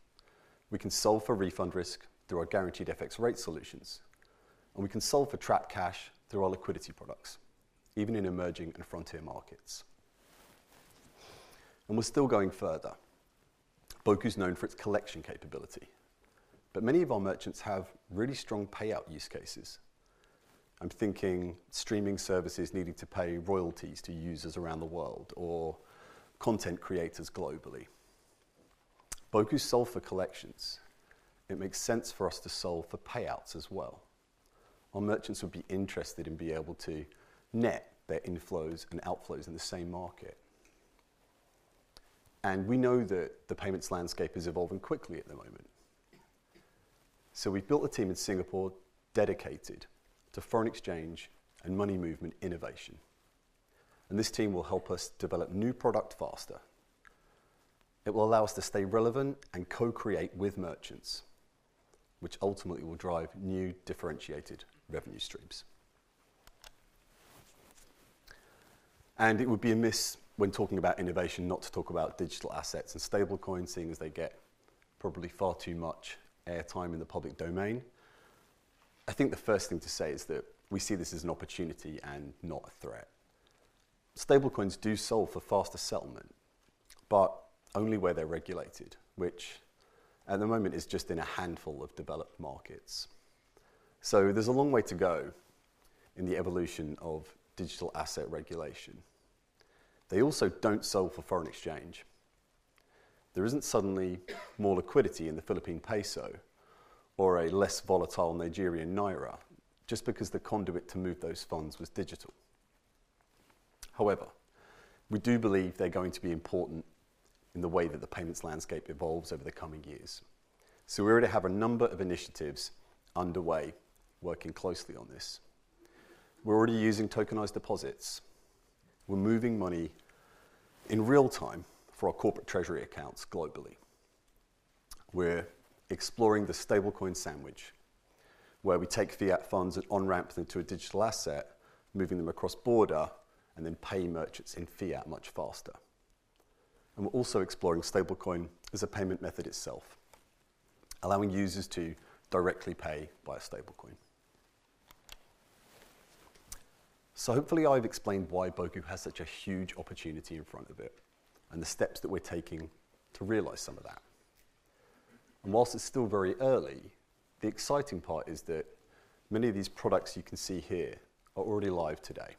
Speaker 4: We can solve for refund risk through our guaranteed FX rate solutions, and we can solve for trapped cash through our liquidity products, even in emerging and frontier markets, and we're still going further. Boku's known for its collection capability, but many of our merchants have really strong payout use cases. I'm thinking streaming services needing to pay royalties to users around the world or content creators globally. Boku's solved for collections. It makes sense for us to solve for payouts as well. Our merchants would be interested in being able to net their inflows and outflows in the same market, and we know that the payments landscape is evolving quickly at the moment, so we've built a team in Singapore dedicated to foreign exchange and money movement innovation, and this team will help us develop new product faster. It will allow us to stay relevant and co-create with merchants, which ultimately will drive new differentiated revenue streams. And it would be a miss when talking about innovation not to talk about digital assets and stablecoins, seeing as they get probably far too much airtime in the public domain. I think the first thing to say is that we see this as an opportunity and not a threat. Stablecoins do solve for faster settlement, but only where they're regulated, which at the moment is just in a handful of developed markets. So there's a long way to go in the evolution of digital asset regulation. They also don't solve for foreign exchange. There isn't suddenly more liquidity in the Philippine peso or a less volatile Nigerian naira just because the conduit to move those funds was digital. However, we do believe they're going to be important in the way that the payments landscape evolves over the coming years, so we already have a number of initiatives underway working closely on this. We're already using tokenized deposits. We're moving money in real time for our corporate treasury accounts globally. We're exploring the stablecoin sandwich, where we take fiat funds and wrap them into a digital asset, moving them cross-border, and then pay merchants in fiat much faster, and we're also exploring stablecoin as a payment method itself, allowing users to directly pay via stablecoin, so hopefully I've explained why Boku has such a huge opportunity in front of it and the steps that we're taking to realize some of that, and while it's still very early, the exciting part is that many of these products you can see here are already live today.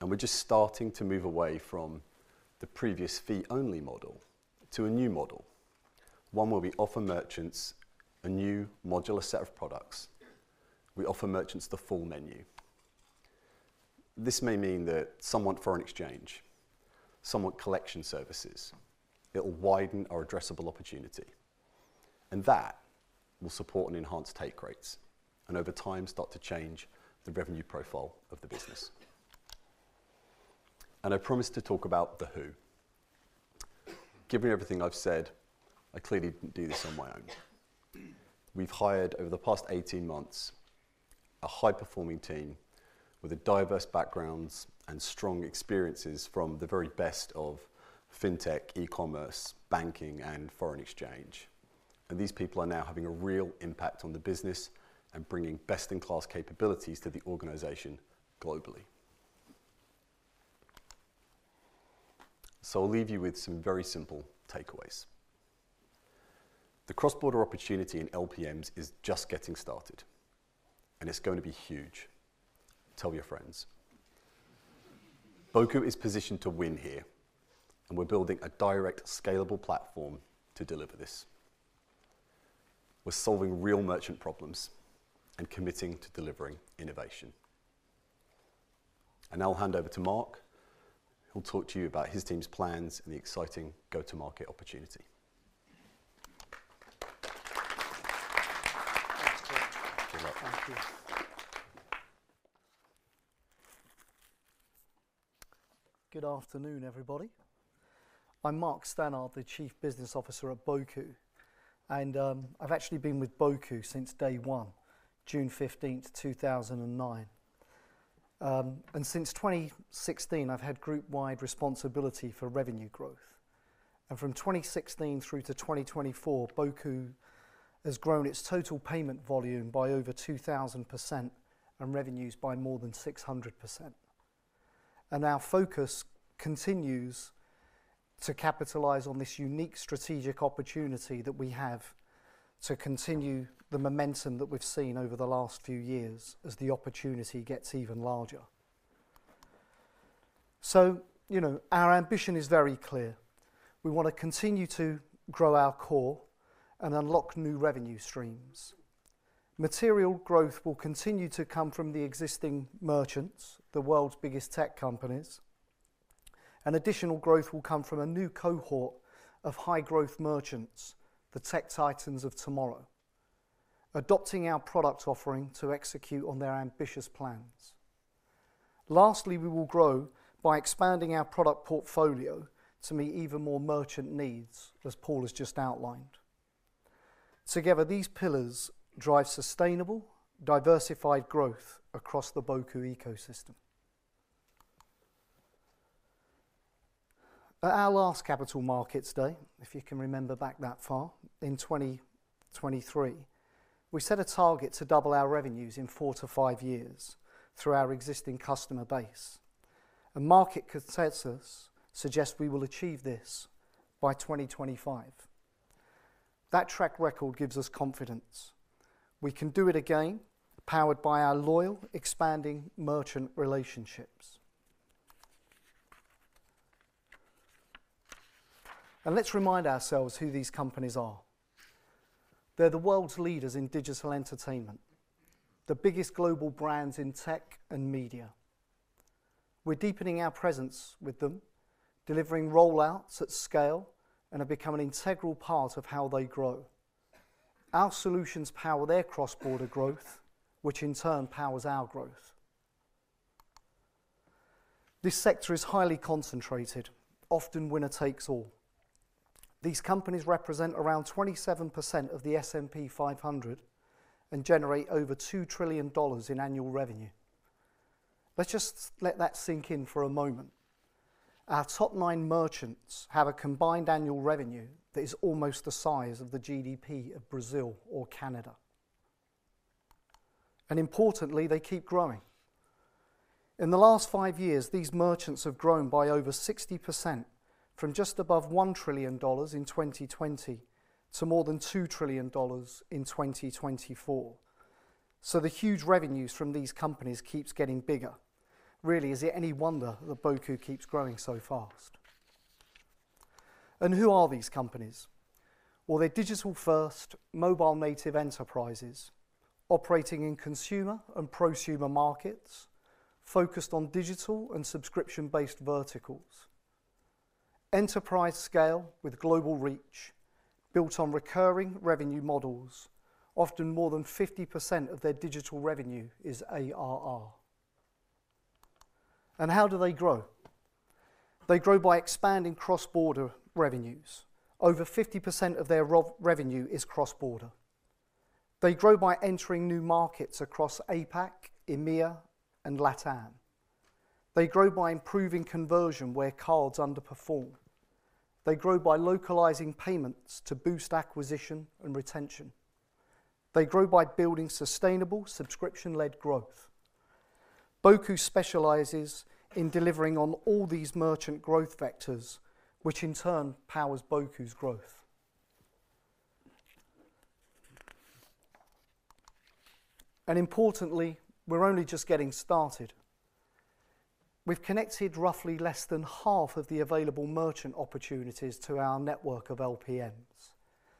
Speaker 4: And we're just starting to move away from the previous fee-only model to a new model, one where we offer merchants a new modular set of products. We offer merchants the full menu. This may mean that some want foreign exchange, some want collection services. It'll widen our addressable opportunity. And that will support and enhance take rates and over time start to change the revenue profile of the business. And I promised to talk about the who. Given everything I've said, I clearly didn't do this on my own. We've hired over the past 18 months a high-performing team with diverse backgrounds and strong experiences from the very best of fintech, e-commerce, banking, and foreign exchange. And these people are now having a real impact on the business and bringing best-in-class capabilities to the organization globally. So I'll leave you with some very simple takeaways. The cross-border opportunity in LPMs is just getting started, and it's going to be huge. Tell your friends. Boku is positioned to win here, and we're building a direct, scalable platform to deliver this. We're solving real merchant problems and committing to delivering innovation, and I'll hand over to Mark. He'll talk to you about his team's plans and the exciting go-to-market opportunity. Thank you.
Speaker 5: Good afternoon, everybody. I'm Mark Stannard, the Chief Business Officer at Boku, and I've actually been with Boku since day one, June 15th, 2009, and since 2016, I've had group-wide responsibility for revenue growth, and from 2016 through to 2024, Boku has grown its total payment volume by over 2,000% and revenues by more than 600%. Our focus continues to capitalize on this unique strategic opportunity that we have to continue the momentum that we've seen over the last few years as the opportunity gets even larger. You know, our ambition is very clear. We wanna continue to grow our core and unlock new revenue streams. Material growth will continue to come from the existing merchants, the world's biggest tech companies. Additional growth will come from a new cohort of high-growth merchants, the tech titans of tomorrow, adopting our product offering to execute on their ambitious plans. Lastly, we will grow by expanding our product portfolio to meet even more merchant needs, as Paul has just outlined. Together, these pillars drive sustainable, diversified growth across the Boku ecosystem. At our last Capital Markets Day, if you can remember back that far, in 2023, we set a target to double our revenues in four to five years through our existing customer base. And market consensus suggests we will achieve this by 2025. That track record gives us confidence. We can do it again, powered by our loyal, expanding merchant relationships. And let's remind ourselves who these companies are. They're the world's leaders in digital entertainment, the biggest global brands in tech and media. We're deepening our presence with them, delivering rollouts at scale, and are becoming an integral part of how they grow. Our solutions power their cross-border growth, which in turn powers our growth. This sector is highly concentrated, often winner takes all. These companies represent around 27% of the S&P 500 and generate over $2 trillion in annual revenue. Let's just let that sink in for a moment. Our top nine merchants have a combined annual revenue that is almost the size of the GDP of Brazil or Canada. And importantly, they keep growing. In the last five years, these merchants have grown by over 60% from just above $1 trillion in 2020 to more than $2 trillion in 2024. So the huge revenues from these companies keep getting bigger. Really, is it any wonder that Boku keeps growing so fast? And who are these companies? Well, they're digital-first, mobile-native enterprises operating in consumer and prosumer markets, focused on digital and subscription-based verticals. Enterprise scale with global reach, built on recurring revenue models. Often more than 50% of their digital revenue is ARR. And how do they grow? They grow by expanding cross-border revenues. Over 50% of their revenue is cross-border. They grow by entering new markets across APAC, EMEA, and LATAM. They grow by improving conversion where cards underperform. They grow by localizing payments to boost acquisition and retention. They grow by building sustainable subscription-led growth. Boku specializes in delivering on all these merchant growth vectors, which in turn powers Boku's growth. And importantly, we're only just getting started. We've connected roughly less than half of the available merchant opportunities to our network of LPMs.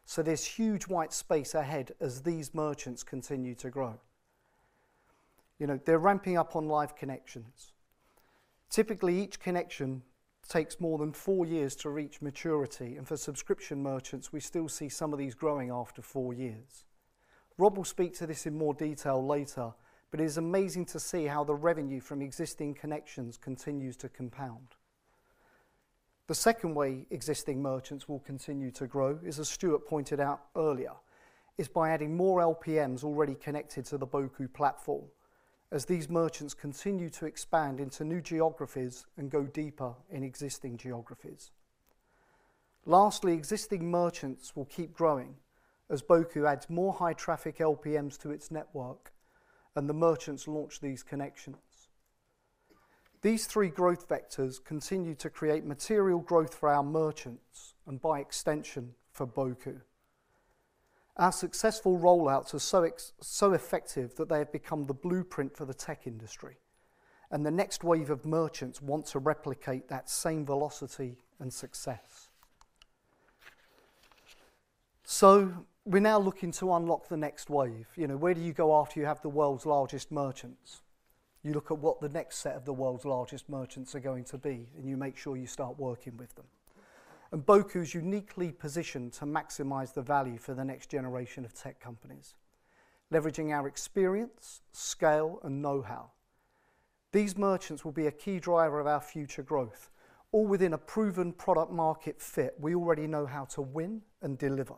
Speaker 5: So there's huge white space ahead as these merchants continue to grow. You know, they're ramping up on live connections. Typically, each connection takes more than four years to reach maturity. And for subscription merchants, we still see some of these growing after four years. Rob will speak to this in more detail later, but it is amazing to see how the revenue from existing connections continues to compound. The second way existing merchants will continue to grow, as Stuart pointed out earlier, is by adding more LPMs already connected to the Boku Platform, as these merchants continue to expand into new geographies and go deeper in existing geographies. Lastly, existing merchants will keep growing as Boku adds more high-traffic LPMs to its network and the merchants launch these connections. These three growth vectors continue to create material growth for our merchants and by extension for Boku. Our successful rollouts are so effective that they have become the blueprint for the tech industry, and the next wave of merchants wants to replicate that same velocity and success, so we're now looking to unlock the next wave. You know, where do you go after you have the world's largest merchants? You look at what the next set of the world's largest merchants are going to be, and you make sure you start working with them, and Boku's uniquely positioned to maximize the value for the next generation of tech companies, leveraging our experience, scale, and know-how. These merchants will be a key driver of our future growth, all within a proven product-market fit we already know how to win and deliver.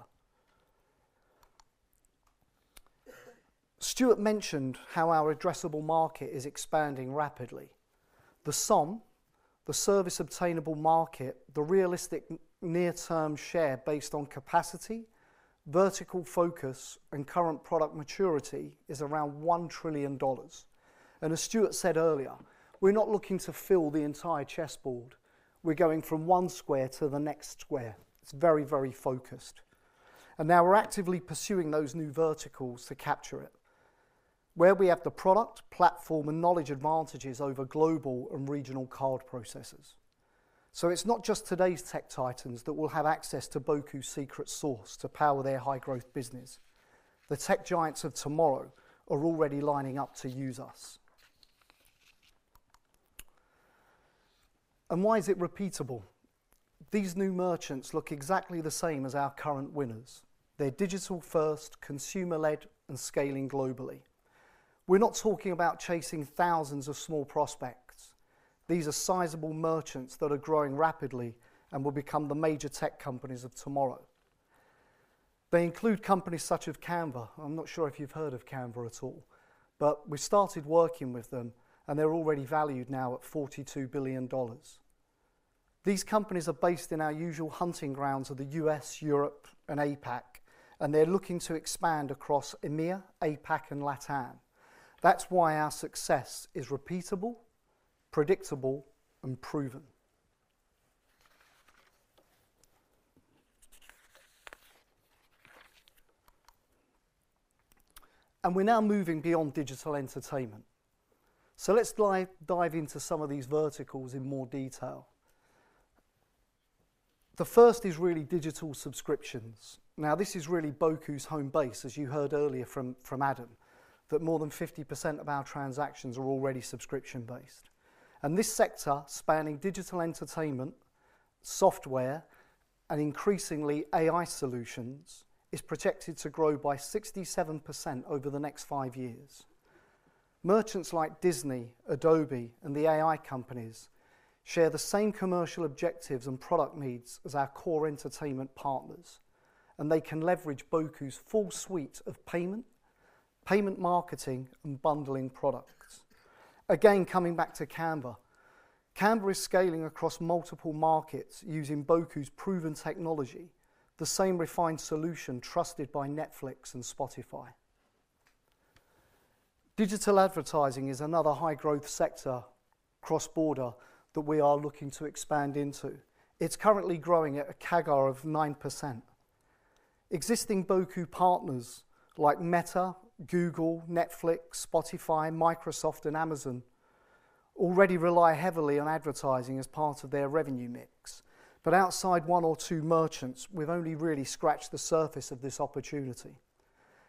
Speaker 5: Stuart mentioned how our addressable market is expanding rapidly. The SOM, the service obtainable market, the realistic near-term share based on capacity, vertical focus, and current product maturity is around $1 trillion, and as Stuart said earlier, we're not looking to fill the entire chessboard. We're going from one square to the next square. It's very, very focused. Now we're actively pursuing those new verticals to capture it, where we have the product, platform, and knowledge advantages over global and regional card processors. It's not just today's tech titans that will have access to Boku's secret sauce to power their high-growth business. The tech giants of tomorrow are already lining up to use us. Why is it repeatable? These new merchants look exactly the same as our current winners. They're digital-first, consumer-led, and scaling globally. We're not talking about chasing thousands of small prospects. These are sizable merchants that are growing rapidly and will become the major tech companies of tomorrow. They include companies such as Canva. I'm not sure if you've heard of Canva at all, but we started working with them, and they're already valued now at $42 billion. These companies are based in our usual hunting grounds of the U.S., Europe, and APAC, and they're looking to expand across EMEA, APAC, and LATAM. That's why our success is repeatable, predictable, and proven. And we're now moving beyond digital entertainment. So let's dive into some of these verticals in more detail. The first is really digital subscriptions. Now, this is really Boku's home base, as you heard earlier from Adam, that more than 50% of our transactions are already subscription-based. And this sector, spanning digital entertainment, software, and increasingly AI solutions, is projected to grow by 67% over the next five years. Merchants like Disney, Adobe, and the AI companies share the same commercial objectives and product needs as our core entertainment partners. And they can leverage Boku's full suite of payment, payment marketing, and bundling products. Again, coming back to Canva, Canva is scaling across multiple markets using Boku's proven technology, the same refined solution trusted by Netflix and Spotify. Digital advertising is another high-growth sector cross-border that we are looking to expand into. It's currently growing at a CAGR of 9%. Existing Boku partners like Meta, Google, Netflix, Spotify, Microsoft, and Amazon already rely heavily on advertising as part of their revenue mix. But outside one or two merchants, we've only really scratched the surface of this opportunity.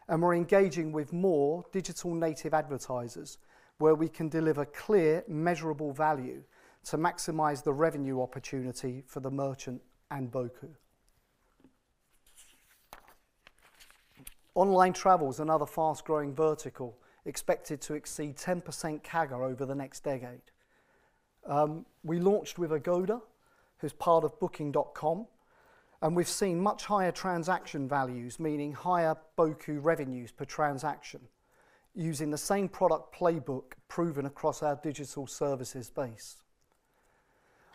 Speaker 5: And we're engaging with more digital-native advertisers where we can deliver clear, measurable value to maximize the revenue opportunity for the merchant and Boku. Online travel is another fast-growing vertical expected to exceed 10% CAGR over the next decade. We launched with Agoda, who's part of Booking.com, and we've seen much higher transaction values, meaning higher Boku revenues per transaction, using the same product playbook proven across our digital services base.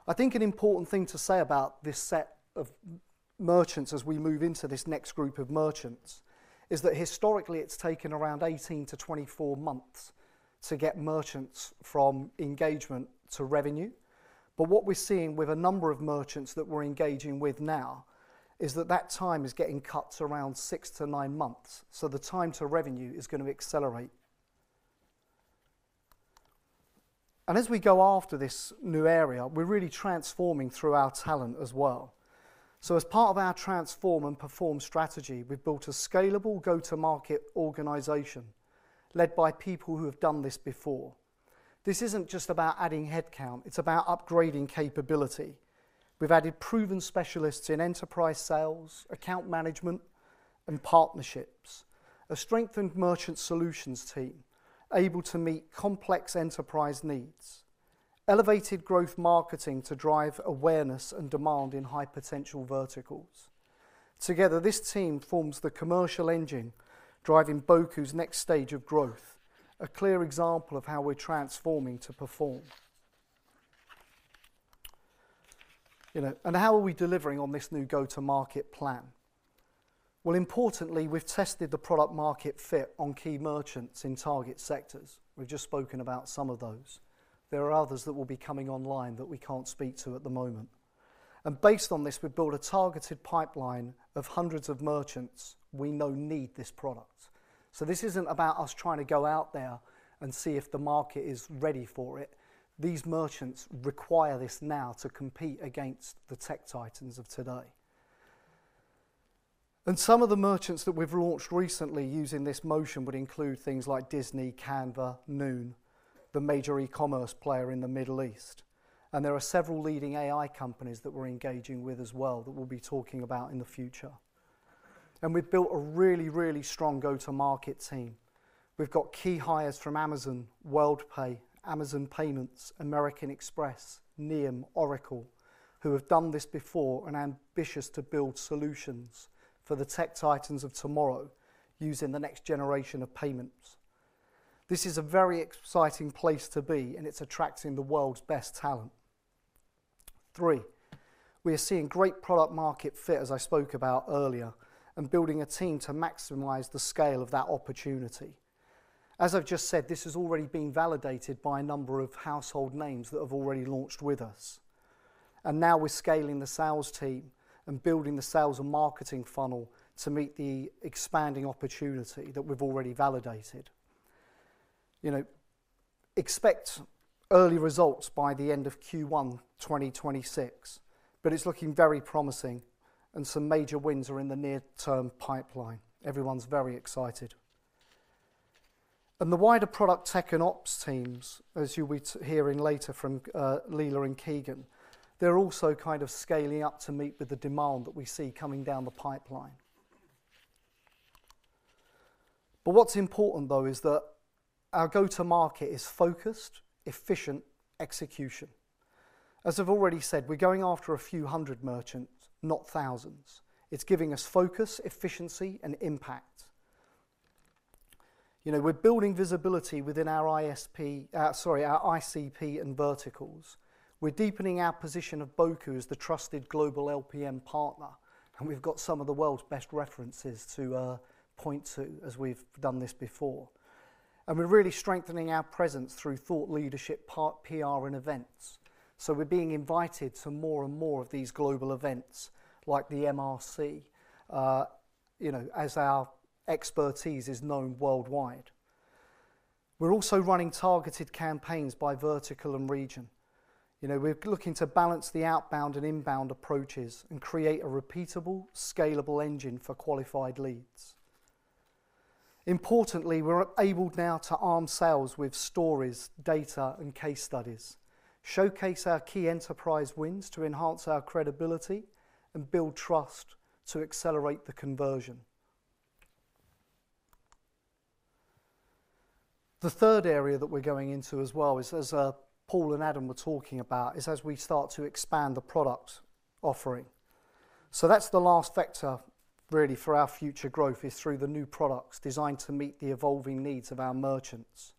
Speaker 5: I think an important thing to say about this set of merchants as we move into this next group of merchants is that historically, it's taken around 18 to 24 months to get merchants from engagement to revenue. But what we're seeing with a number of merchants that we're engaging with now is that that time is getting cut to around 6 to 9 months. So the time to revenue is going to accelerate. And as we go after this new area, we're really transforming through our talent as well. So as part of our transform and perform strategy, we've built a scalable go-to-market organization led by people who have done this before. This isn't just about adding headcount. It's about upgrading capability. We've added proven specialists in enterprise sales, account management, and partnerships, a strengthened merchant solutions team able to meet complex enterprise needs, elevated growth marketing to drive awareness and demand in high-potential verticals. Together, this team forms the commercial engine driving Boku's next stage of growth, a clear example of how we're transforming to perform. You know, and how are we delivering on this new go-to-market plan? Well, importantly, we've tested the product-market fit on key merchants in target sectors. We've just spoken about some of those. There are others that will be coming online that we can't speak to at the moment. And based on this, we've built a targeted pipeline of hundreds of merchants we know need this product. So this isn't about us trying to go out there and see if the market is ready for it. These merchants require this now to compete against the tech titans of today. And some of the merchants that we've launched recently using this motion would include things like Disney, Canva, Noon, the major e-commerce player in the Middle East. And there are several leading AI companies that we're engaging with as well that we'll be talking about in the future. And we've built a really, really strong go-to-market team. We've got key hires from Amazon, Worldpay, Amazon Payments, American Express, NEOM, Oracle, who have done this before and are ambitious to build solutions for the tech titans of tomorrow using the next generation of payments. This is a very exciting place to be, and it's attracting the world's best talent. Three, we are seeing great product-market fit, as I spoke about earlier, and building a team to maximize the scale of that opportunity. As I've just said, this has already been validated by a number of household names that have already launched with us. And now we're scaling the sales team and building the sales and marketing funnel to meet the expanding opportunity that we've already validated. You know, expect early results by the end of Q1 2026, but it's looking very promising, and some major wins are in the near-term pipeline. Everyone's very excited. And the wider product tech and ops teams, as you'll be hearing later from Leila and Keegan, they're also kind of scaling up to meet with the demand that we see coming down the pipeline. But what's important, though, is that our go-to-market is focused, efficient execution. As I've already said, we're going after a few hundred merchants, not thousands. It's giving us focus, efficiency, and impact. You know, we're building visibility within our ISP, sorry, our ICP and verticals. We're deepening our position of Boku as the trusted global LPM partner, and we've got some of the world's best references to point to as we've done this before, and we're really strengthening our presence through thought leadership, PR, and events, so we're being invited to more and more of these global events, like the MRC, you know, as our expertise is known worldwide. We're also running targeted campaigns by vertical and region. You know, we're looking to balance the outbound and inbound approaches and create a repeatable, scalable engine for qualified leads. Importantly, we're able now to arm sales with stories, data, and case studies, showcase our key enterprise wins to enhance our credibility and build trust to accelerate the conversion. The third area that we're going into as well, as Paul and Adam were talking about, is as we start to expand the product offering. So that's the last vector, really, for our future growth is through the new products designed to meet the evolving needs of our merchants.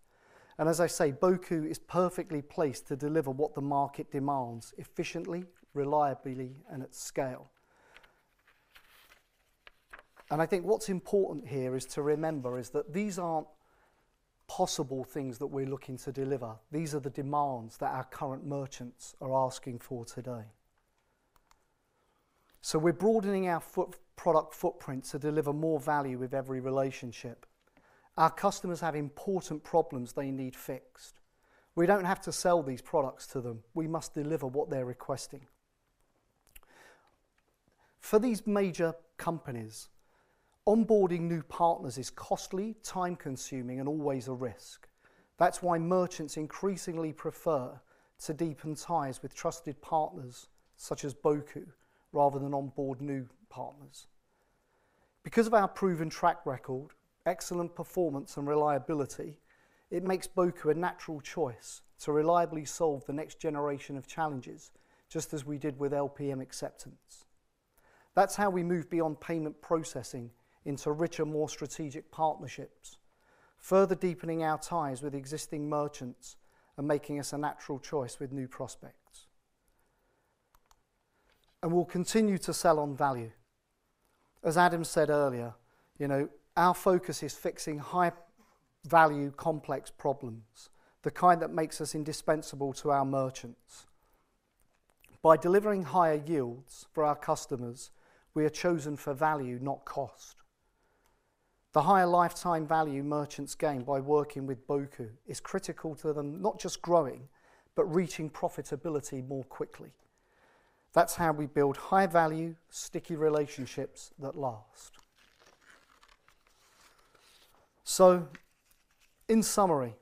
Speaker 5: As I say, Boku is perfectly placed to deliver what the market demands efficiently, reliably, and at scale. I think what's important here is to remember is that these aren't possible things that we're looking to deliver. These are the demands that our current merchants are asking for today. We're broadening our product footprint to deliver more value with every relationship. Our customers have important problems they need fixed. We don't have to sell these products to them. We must deliver what they're requesting. For these major companies, onboarding new partners is costly, time-consuming, and always a risk. That's why merchants increasingly prefer to deepen ties with trusted partners such as Boku rather than onboard new partners. Because of our proven track record, excellent performance, and reliability, it makes Boku a natural choice to reliably solve the next generation of challenges, just as we did with LPM acceptance. That's how we move beyond payment processing into richer, more strategic partnerships, further deepening our ties with existing merchants and making us a natural choice with new prospects. And we'll continue to sell on value. As Adam said earlier, you know, our focus is fixing high-value, complex problems, the kind that makes us indispensable to our merchants. By delivering higher yields for our customers, we are chosen for value, not cost. The higher lifetime value merchants gain by working with Boku is critical to them not just growing, but reaching profitability more quickly. That's how we build high-value, sticky relationships that last. So, in summary,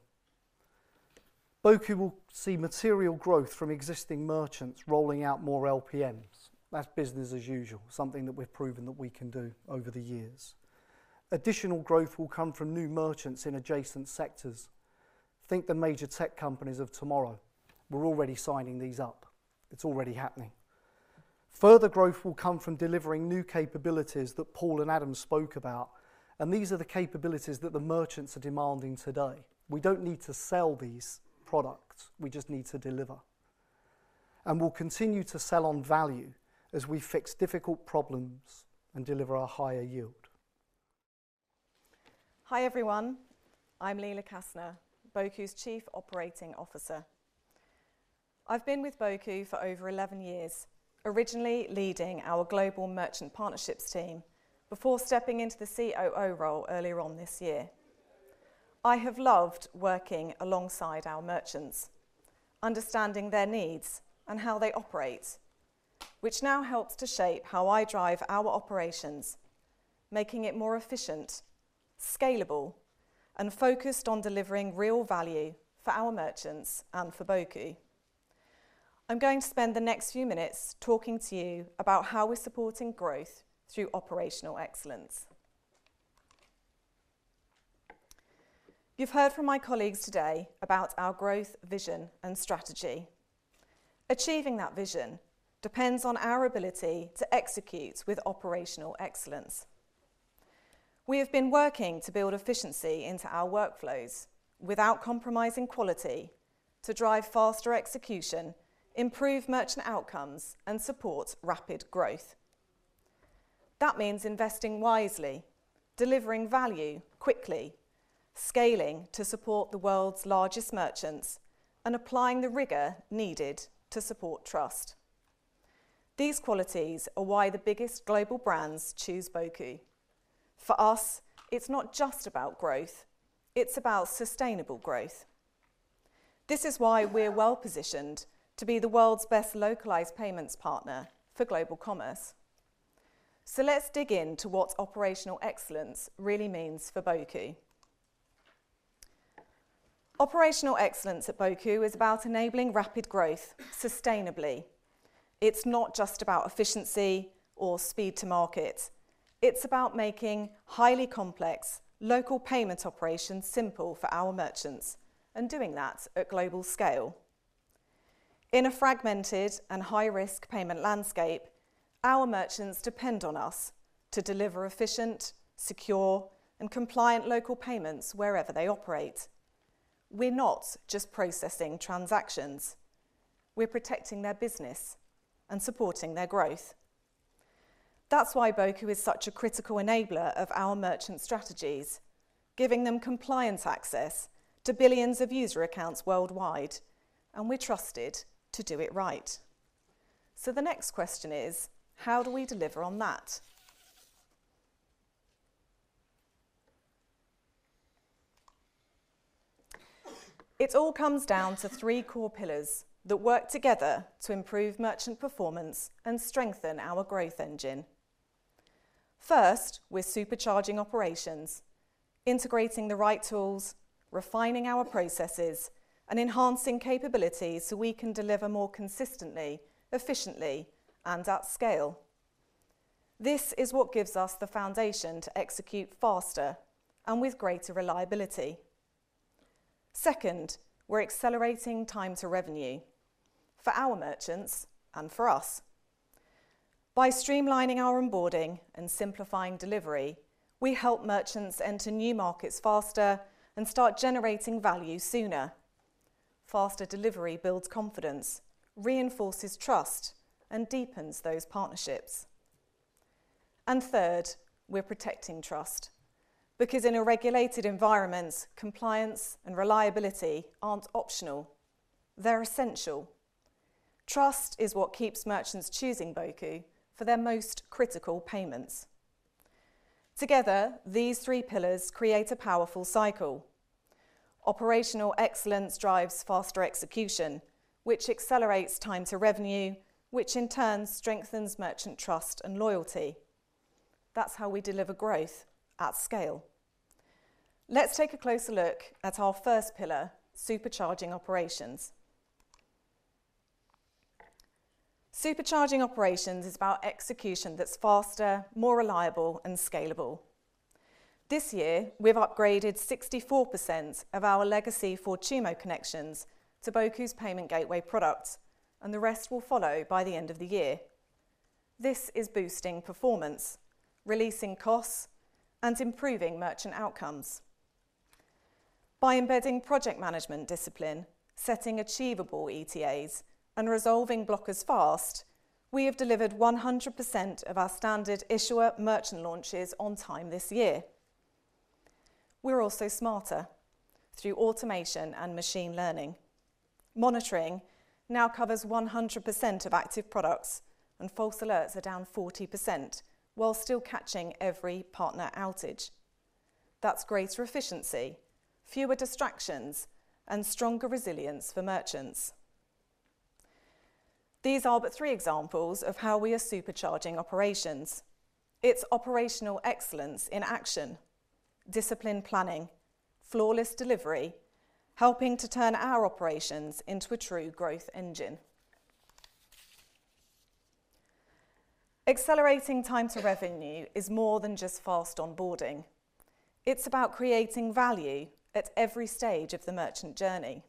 Speaker 5: Boku will see material growth from existing merchants rolling out more LPMs. That's business as usual, something that we've proven that we can do over the years. Additional growth will come from new merchants in adjacent sectors. Think the major tech companies of tomorrow. We're already signing these up. It's already happening. Further growth will come from delivering new capabilities that Paul and Adam spoke about, and these are the capabilities that the merchants are demanding today. We don't need to sell these products; we just need to deliver. And we'll continue to sell on value as we fix difficult problems and deliver a higher yield.
Speaker 6: Hi everyone. I'm Leila Kassner, Boku's Chief Operating Officer. I've been with Boku for over 11 years, originally leading our global merchant partnerships team before stepping into the COO role earlier on this year. I have loved working alongside our merchants, understanding their needs and how they operate, which now helps to shape how I drive our operations, making it more efficient, scalable, and focused on delivering real value for our merchants and for Boku. I'm going to spend the next few minutes talking to you about how we're supporting growth through operational excellence. You've heard from my colleagues today about our growth vision and strategy. Achieving that vision depends on our ability to execute with operational excellence. We have been working to build efficiency into our workflows without compromising quality to drive faster execution, improve merchant outcomes, and support rapid growth. That means investing wisely, delivering value quickly, scaling to support the world's largest merchants, and applying the rigor needed to support trust. These qualities are why the biggest global brands choose Boku. For us, it's not just about growth. It's about sustainable growth. This is why we're well-positioned to be the world's best localized payments partner for global commerce. So let's dig into what operational excellence really means for Boku. Operational excellence at Boku is about enabling rapid growth sustainably. It's not just about efficiency or speed to market. It's about making highly complex local payment operations simple for our merchants and doing that at global scale. In a fragmented and high-risk payment landscape, our merchants depend on us to deliver efficient, secure, and compliant local payments wherever they operate. We're not just processing transactions. We're protecting their business and supporting their growth. That's why Boku is such a critical enabler of our merchant strategies, giving them compliance access to billions of user accounts worldwide, and we're trusted to do it right. So the next question is, how do we deliver on that? It all comes down to three core pillars that work together to improve merchant performance and strengthen our growth engine. First, we're supercharging operations, integrating the right tools, refining our processes, and enhancing capabilities so we can deliver more consistently, efficiently, and at scale. This is what gives us the foundation to execute faster and with greater reliability. Second, we're accelerating time to revenue for our merchants and for us. By streamlining our onboarding and simplifying delivery, we help merchants enter new markets faster and start generating value sooner. Faster delivery builds confidence, reinforces trust, and deepens those partnerships. And third, we're protecting trust because in a regulated environment, compliance and reliability aren't optional. They're essential. Trust is what keeps merchants choosing Boku for their most critical payments. Together, these three pillars create a powerful cycle. Operational excellence drives faster execution, which accelerates time to revenue, which in turn strengthens merchant trust and loyalty. That's how we deliver growth at scale. Let's take a closer look at our first pillar, supercharging operations. Supercharging operations is about execution that's faster, more reliable, and scalable. This year, we've upgraded 64% of our legacy Fortumo connections to Boku's payment gateway products, and the rest will follow by the end of the year. This is boosting performance, releasing costs, and improving merchant outcomes. By embedding project management discipline, setting achievable ETAs, and resolving blockers fast, we have delivered 100% of our standard issuer merchant launches on time this year. We're also smarter through automation and machine learning. Monitoring now covers 100% of active products, and false alerts are down 40% while still catching every partner outage. That's greater efficiency, fewer distractions, and stronger resilience for merchants. These are but three examples of how we are supercharging operations. It's operational excellence in action, disciplined planning, flawless delivery, helping to turn our operations into a true growth engine. Accelerating time to revenue is more than just fast onboarding. It's about creating value at every stage of the merchant journey.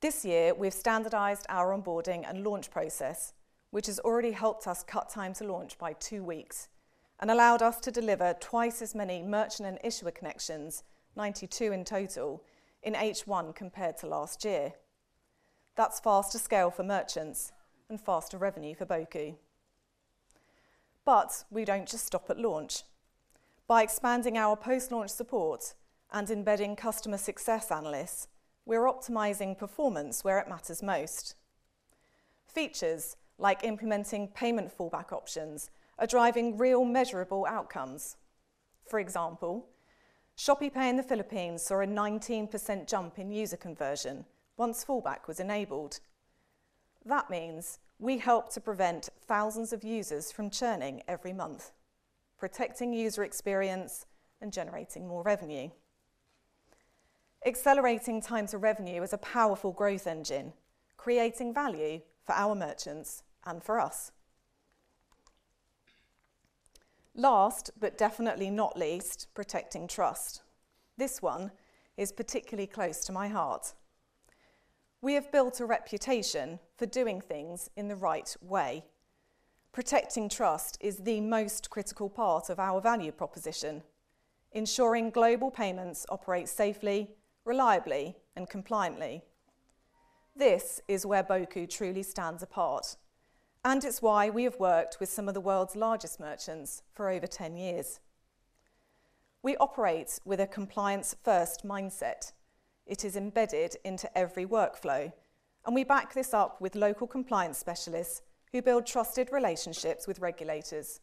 Speaker 6: This year, we've standardized our onboarding and launch process, which has already helped us cut time to launch by two weeks and allowed us to deliver twice as many merchant and issuer connections, 92 in total, in H1 compared to last year. That's faster scale for merchants and faster revenue for Boku. But we don't just stop at launch. By expanding our post-launch support and embedding customer success analysts, we're optimizing performance where it matters most. Features like implementing payment fallback options are driving real measurable outcomes. For example, ShopeePay in the Philippines saw a 19% jump in user conversion once fallback was enabled. That means we help to prevent thousands of users from churning every month, protecting user experience and generating more revenue. Accelerating time to revenue is a powerful growth engine, creating value for our merchants and for us. Last, but definitely not least, protecting trust. This one is particularly close to my heart. We have built a reputation for doing things in the right way. Protecting trust is the most critical part of our value proposition, ensuring global payments operate safely, reliably, and compliantly. This is where Boku truly stands apart, and it's why we have worked with some of the world's largest merchants for over 10 years. We operate with a compliance-first mindset. It is embedded into every workflow, and we back this up with local compliance specialists who build trusted relationships with regulators.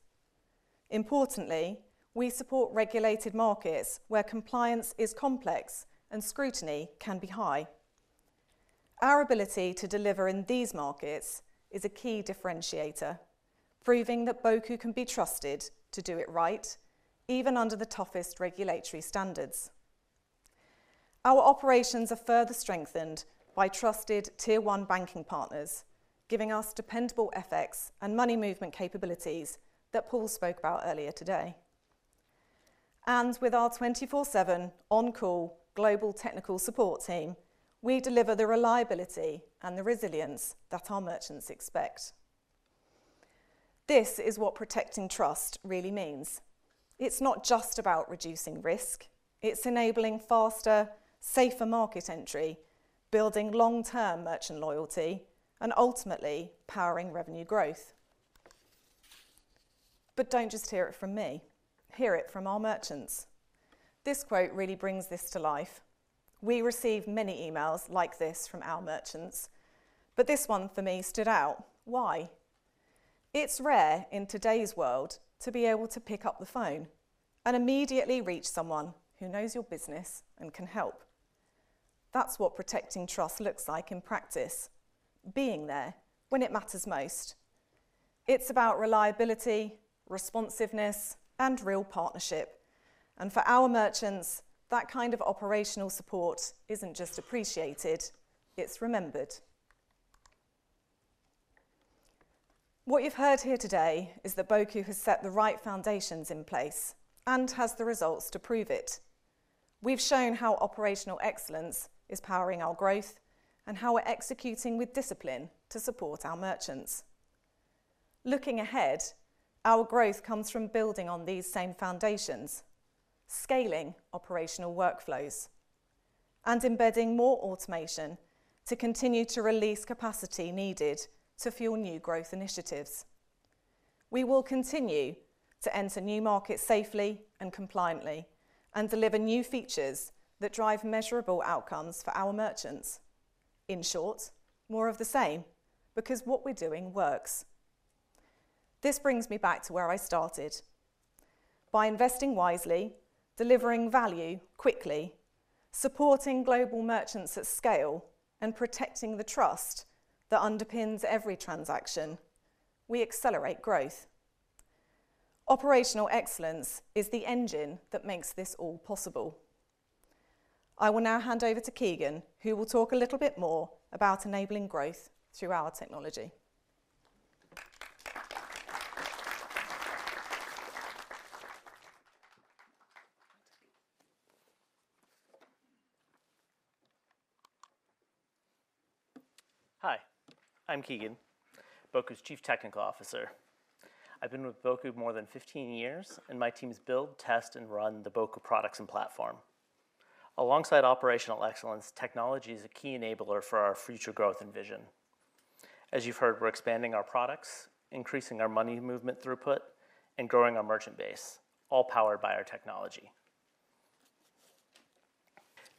Speaker 6: Importantly, we support regulated markets where compliance is complex and scrutiny can be high. Our ability to deliver in these markets is a key differentiator, proving that Boku can be trusted to do it right, even under the toughest regulatory standards. Our operations are further strengthened by trusted tier-one banking partners, giving us dependable FX and money movement capabilities that Paul spoke about earlier today, and with our 24/7 on-call global technical support team, we deliver the reliability and the resilience that our merchants expect. This is what protecting trust really means. It's not just about reducing risk. It's enabling faster, safer market entry, building long-term merchant loyalty, and ultimately powering revenue growth. But don't just hear it from me. Hear it from our merchants. This quote really brings this to life. We receive many emails like this from our merchants, but this one for me stood out. Why? It's rare in today's world to be able to pick up the phone and immediately reach someone who knows your business and can help. That's what protecting trust looks like in practice: being there when it matters most. It's about reliability, responsiveness, and real partnership. And for our merchants, that kind of operational support isn't just appreciated. It's remembered. What you've heard here today is that Boku has set the right foundations in place and has the results to prove it. We've shown how operational excellence is powering our growth and how we're executing with discipline to support our merchants. Looking ahead, our growth comes from building on these same foundations, scaling operational workflows, and embedding more automation to continue to release capacity needed to fuel new growth initiatives. We will continue to enter new markets safely and compliantly and deliver new features that drive measurable outcomes for our merchants. In short, more of the same, because what we're doing works. This brings me back to where I started. By investing wisely, delivering value quickly, supporting global merchants at scale, and protecting the trust that underpins every transaction, we accelerate growth. Operational excellence is the engine that makes this all possible. I will now hand over to Keegan, who will talk a little bit more about enabling growth through our technology.
Speaker 7: Hi, I'm Keegan, Boku's Chief Technical Officer. I've been with Boku more than 15 years, and my team has built, tested, and run the Boku products and platform. Alongside operational excellence, technology is a key enabler for our future growth and vision. As you've heard, we're expanding our products, increasing our money movement throughput, and growing our merchant base, all powered by our technology.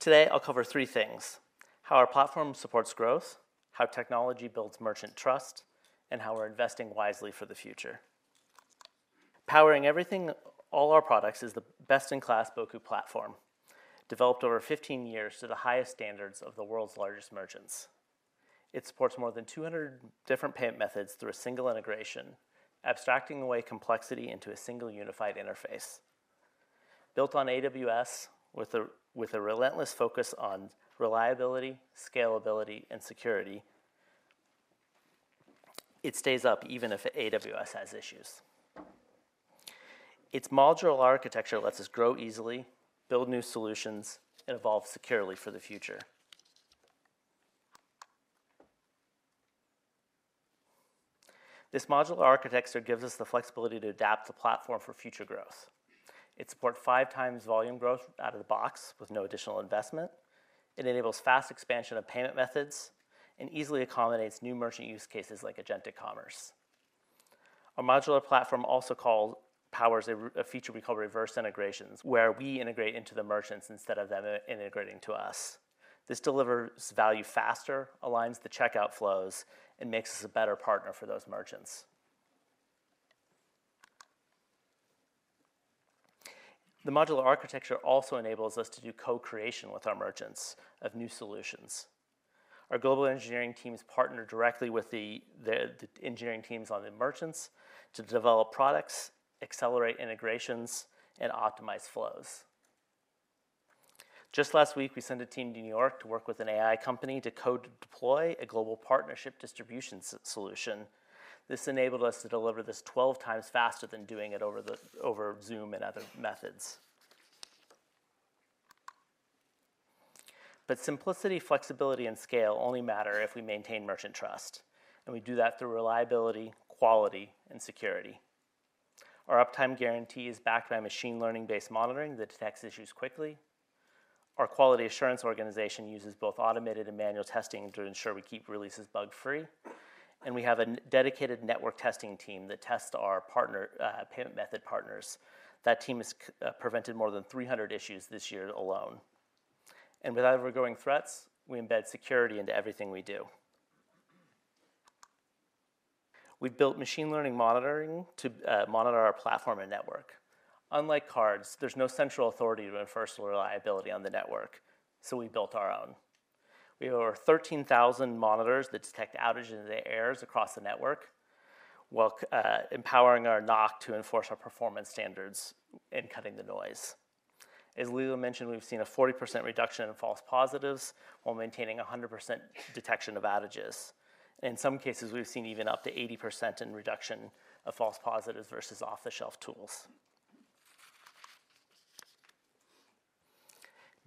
Speaker 7: Today, I'll cover three things: how our platform supports growth, how technology builds merchant trust, and how we're investing wisely for the future. Powering everything, all our products is the best-in-class Boku Platform, developed over 15 years to the highest standards of the world's largest merchants. It supports more than 200 different payment methods through a single integration, abstracting away complexity into a single unified interface. Built on AWS with a relentless focus on reliability, scalability, and security, it stays up even if AWS has issues. Its modular architecture lets us grow easily, build new solutions, and evolve securely for the future. This modular architecture gives us the flexibility to adapt the platform for future growth. It supports 5x volume growth out of the box with no additional investment. It enables fast expansion of payment methods and easily accommodates new merchant use cases like agentic commerce. Our modular platform also powers a feature we call reverse integrations, where we integrate into the merchants instead of them integrating to us. This delivers value faster, aligns the checkout flows, and makes us a better partner for those merchants. The modular architecture also enables us to do co-creation with our merchants of new solutions. Our global engineering team has partnered directly with the engineering teams on the merchants to develop products, accelerate integrations, and optimize flows. Just last week, we sent a team to New York to work with an AI company to co-deploy a global partnership distribution solution. This enabled us to deliver this 12x faster than doing it over Zoom and other methods. But simplicity, flexibility, and scale only matter if we maintain merchant trust, and we do that through reliability, quality, and security. Our uptime guarantee is backed by machine learning-based monitoring that detects issues quickly. Our quality assurance organization uses both automated and manual testing to ensure we keep releases bug-free. And we have a dedicated network testing team that tests our payment method partners. That team has prevented more than 300 issues this year alone. And with ever-growing threats, we embed security into everything we do. We've built machine learning monitoring to monitor our platform and network. Unlike cards, there's no central authority to enforce reliability on the network, so we built our own. We have over 13,000 monitors that detect outages in the carriers across the network, empowering our NOC to enforce our performance standards and cutting the noise. As Leila mentioned, we've seen a 40% reduction in false positives while maintaining 100% detection of outages. In some cases, we've seen even up to 80% in reduction of false positives versus off-the-shelf tools.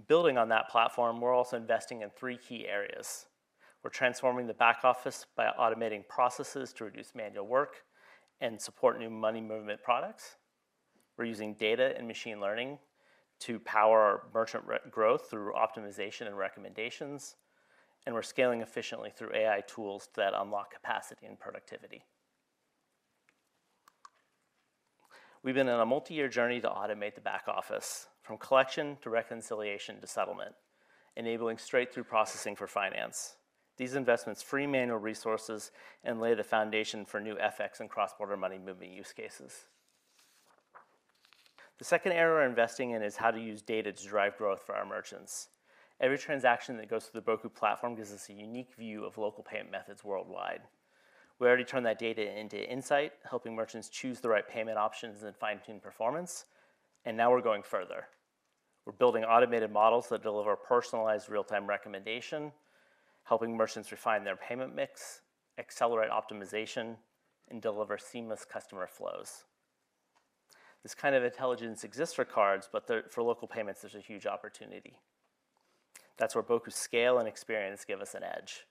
Speaker 7: Building on that platform, we're also investing in three key areas. We're transforming the back office by automating processes to reduce manual work and support new money movement products. We're using data and machine learning to power our merchant growth through optimization and recommendations. And we're scaling efficiently through AI tools that unlock capacity and productivity. We've been on a multi-year journey to automate the back office, from collection to reconciliation to settlement, enabling straight-through processing for finance. These investments free manual resources and lay the foundation for new FX and cross-border money movement use cases. The second area we're investing in is how to use data to drive growth for our merchants. Every transaction that goes through the Boku Platform gives us a unique view of local payment methods worldwide. We already turned that data into insight, helping merchants choose the right payment options and fine-tune performance, and now we're going further. We're building automated models that deliver personalized real-time recommendation, helping merchants refine their payment mix, accelerate optimization, and deliver seamless customer flows. This kind of intelligence exists for cards, but for local payments, there's a huge opportunity. That's where Boku's scale and experience give us an edge,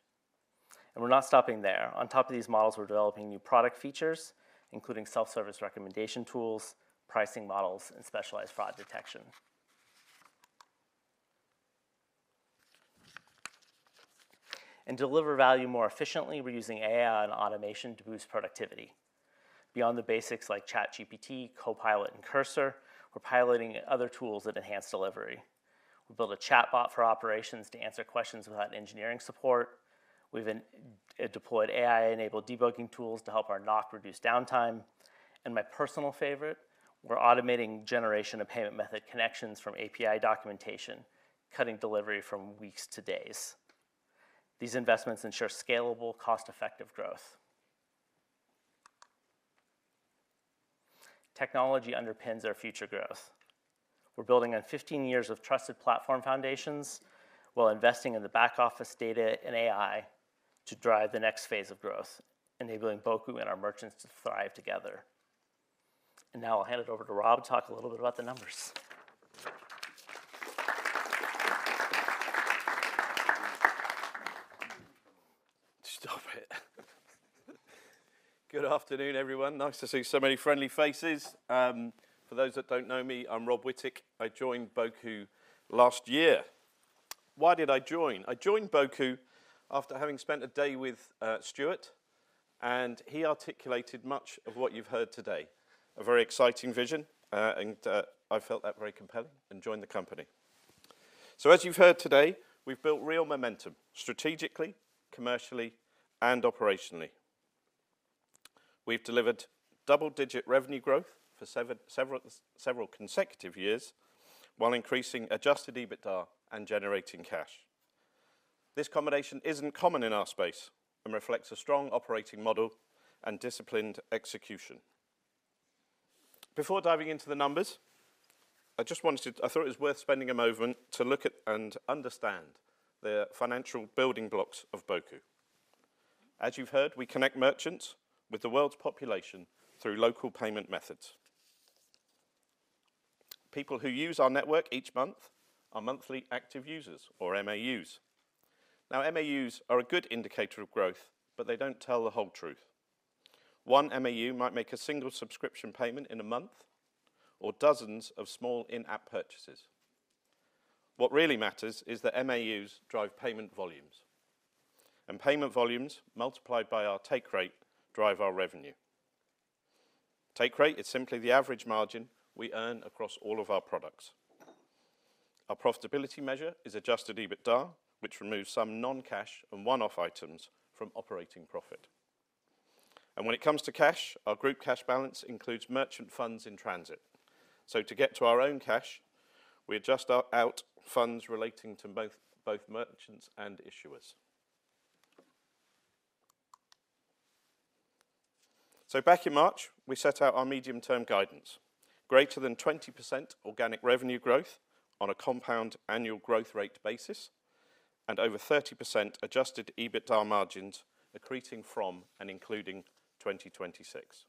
Speaker 7: and we're not stopping there. On top of these models, we're developing new product features, including self-service recommendation tools, pricing models, and specialized fraud detection, and to deliver value more efficiently, we're using AI and automation to boost productivity. Beyond the basics like ChatGPT, Copilot, and Cursor, we're piloting other tools that enhance delivery. We built a chatbot for operations to answer questions without engineering support. We've deployed AI-enabled debugging tools to help our NOC reduce downtime, and my personal favorite, we're automating generation of payment method connections from API documentation, cutting delivery from weeks to days. These investments ensure scalable, cost-effective growth. Technology underpins our future growth. We're building on 15 years of trusted platform foundations while investing in the back office data and AI to drive the next phase of growth, enabling Boku and our merchants to thrive together. And now I'll hand it over to Rob to talk a little bit about the numbers.
Speaker 8: Good afternoon, everyone. Nice to see so many friendly faces. For those that don't know me, I'm Rob Whittick. I joined Boku last year. Why did I join? I joined Boku after having spent a day with Stuart, and he articulated much of what you've heard today: a very exciting vision, and I felt that very compelling and joined the company. So, as you've heard today, we've built real momentum strategically, commercially, and operationally. We've delivered double-digit revenue growth for several consecutive years while increasing adjusted EBITDA and generating cash. This combination isn't common in our space and reflects a strong operating model and disciplined execution. Before diving into the numbers, I just wanted to. I thought it was worth spending a moment to look at and understand the financial building blocks of Boku. As you've heard, we connect merchants with the world's population through local payment methods. People who use our network each month are monthly active users, or MAUs. Now, MAUs are a good indicator of growth, but they don't tell the whole truth. One MAU might make a single subscription payment in a month or dozens of small in-app purchases. What really matters is that MAUs drive payment volumes, and payment volumes multiplied by our take rate drive our revenue. Take rate is simply the average margin we earn across all of our products. Our profitability measure is adjusted EBITDA, which removes some non-cash and one-off items from operating profit. When it comes to cash, our group cash balance includes merchant funds in transit. So, to get to our own cash, we adjust our outstanding funds relating to both merchants and issuers. So, back in March, we set out our medium-term guidance: greater than 20% organic revenue growth on a compound annual growth rate basis and over 30% adjusted EBITDA margins accreting from and including 2026.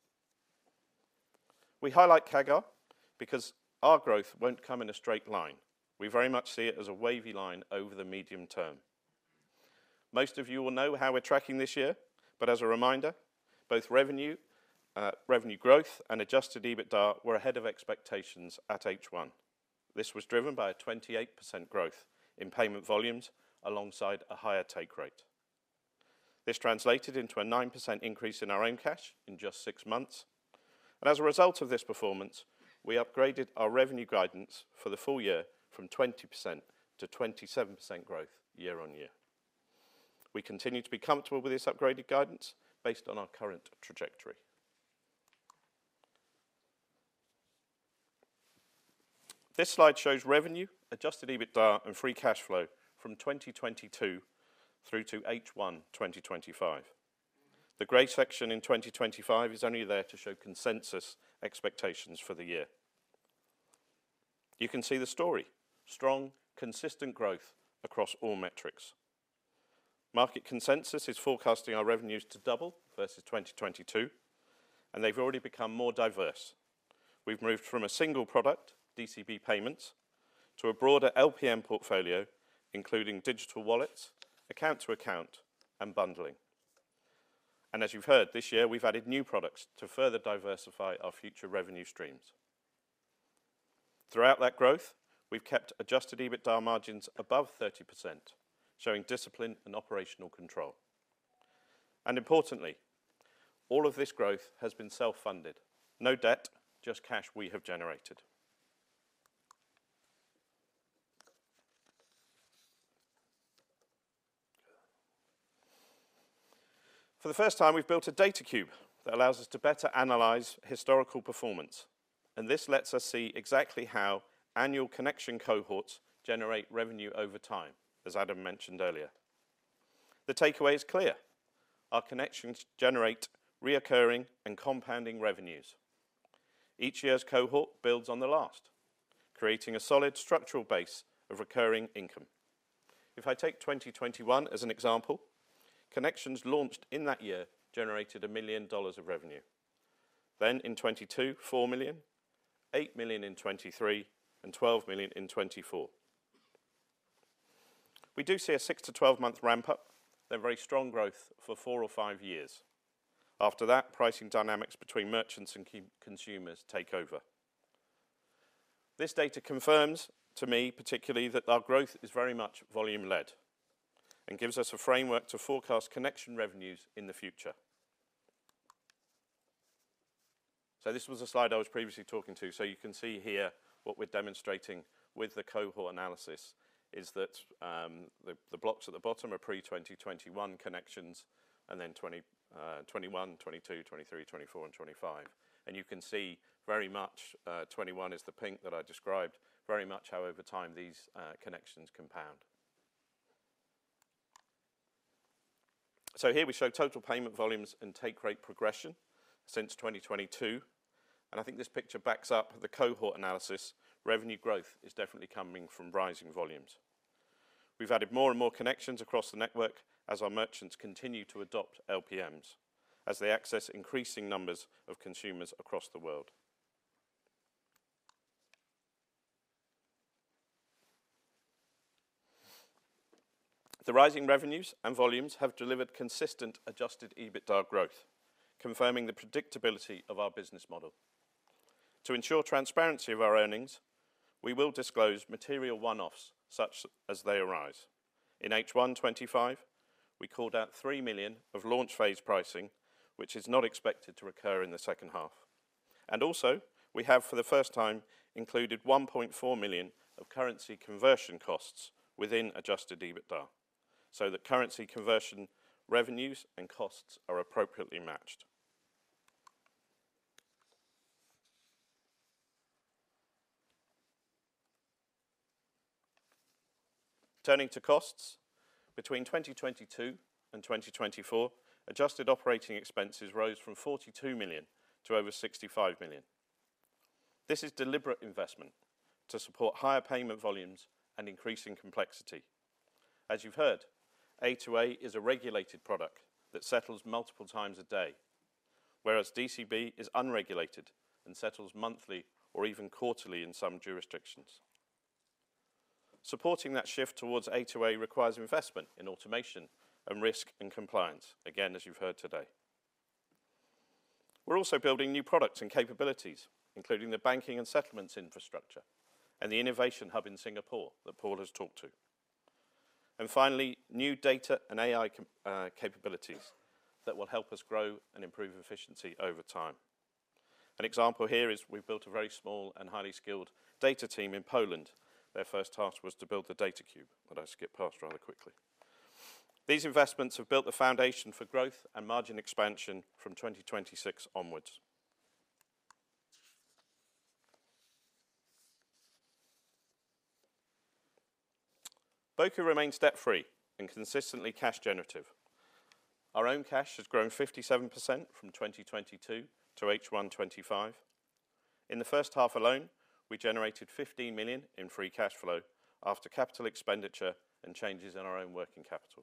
Speaker 8: We highlight CAGR because our growth won't come in a straight line. We very much see it as a wavy line over the medium term. Most of you will know how we're tracking this year, but as a reminder, both revenue growth and adjusted EBITDA were ahead of expectations at H1. This was driven by a 28% growth in payment volumes alongside a higher take rate. This translated into a 9% increase in our own cash in just six months. As a result of this performance, we upgraded our revenue guidance for the full year from 20%-27% growth year-on-year. We continue to be comfortable with this upgraded guidance based on our current trajectory. This slide shows revenue, adjusted EBITDA, and free cash flow from 2022 through to H1 2025. The gray section in 2025 is only there to show consensus expectations for the year. You can see the story: strong, consistent growth across all metrics. Market consensus is forecasting our revenues to double versus 2022, and they've already become more diverse. We've moved from a single product, DCB payments, to a broader LPM portfolio, including digital wallets, account-to-account, and bundling. And as you've heard, this year, we've added new products to further diversify our future revenue streams. Throughout that growth, we've kept adjusted EBITDA margins above 30%, showing discipline and operational control. Importantly, all of this growth has been self-funded. No debt, just cash we have generated. For the first time, we've built a data cube that allows us to better analyze historical performance. This lets us see exactly how annual connection cohorts generate revenue over time, as Adam mentioned earlier. The takeaway is clear. Our connections generate recurring and compounding revenues. Each year's cohort builds on the last, creating a solid structural base of recurring income. If I take 2021 as an example, connections launched in that year generated $1 million of revenue. Then in 2022, $4 million, $8 million in 2023, and $12 million in 2024. We do see a 6 to 12 month ramp-up, then very strong growth for four or five years. After that, pricing dynamics between merchants and consumers take over. This data confirms to me, particularly, that our growth is very much volume-led and gives us a framework to forecast connection revenues in the future. So this was a slide I was previously talking to. So you can see here what we're demonstrating with the cohort analysis is that the blocks at the bottom are pre-2021 connections and then 2021, 2022, 2023, 2024, and 2025. And you can see very much 2021 is the pink that I described, very much how over time these connections compound. So here we show total payment volumes and take rate progression since 2022. And I think this picture backs up the cohort analysis. Revenue growth is definitely coming from rising volumes. We've added more and more connections across the network as our merchants continue to adopt LPMs as they access increasing numbers of consumers across the world. The rising revenues and volumes have delivered consistent Adjusted EBITDA growth, confirming the predictability of our business model. To ensure transparency of our earnings, we will disclose material one-offs as they arise. In H1 2025, we called out $3 million of launch phase pricing, which is not expected to occur in the 2nd half, and also, we have for the first time included $1.4 million of currency conversion costs within Adjusted EBITDA so that currency conversion revenues and costs are appropriately matched. Turning to costs, between 2022 and 2024, adjusted operating expenses rose from $42 million to over $65 million. This is deliberate investment to support higher payment volumes and increasing complexity. As you've heard, A2A is a regulated product that settles multiple times a day, whereas DCB is unregulated and settles monthly or even quarterly in some jurisdictions. Supporting that shift towards A2A requires investment in automation and risk and compliance, again, as you've heard today. We're also building new products and capabilities, including the banking and settlements infrastructure and the innovation hub in Singapore that Paul has talked to. And finally, new data and AI capabilities that will help us grow and improve efficiency over time. An example here is we've built a very small and highly skilled data team in Poland. Their first task was to build the data cube, but I skipped past rather quickly. These investments have built the foundation for growth and margin expansion from 2026 onwards. Boku remains debt-free and consistently cash-generative. Our own cash has grown 57% from 2022 to H1 2025. In the 1st half alone, we generated $15 million in free cash flow after capital expenditure and changes in our own working capital.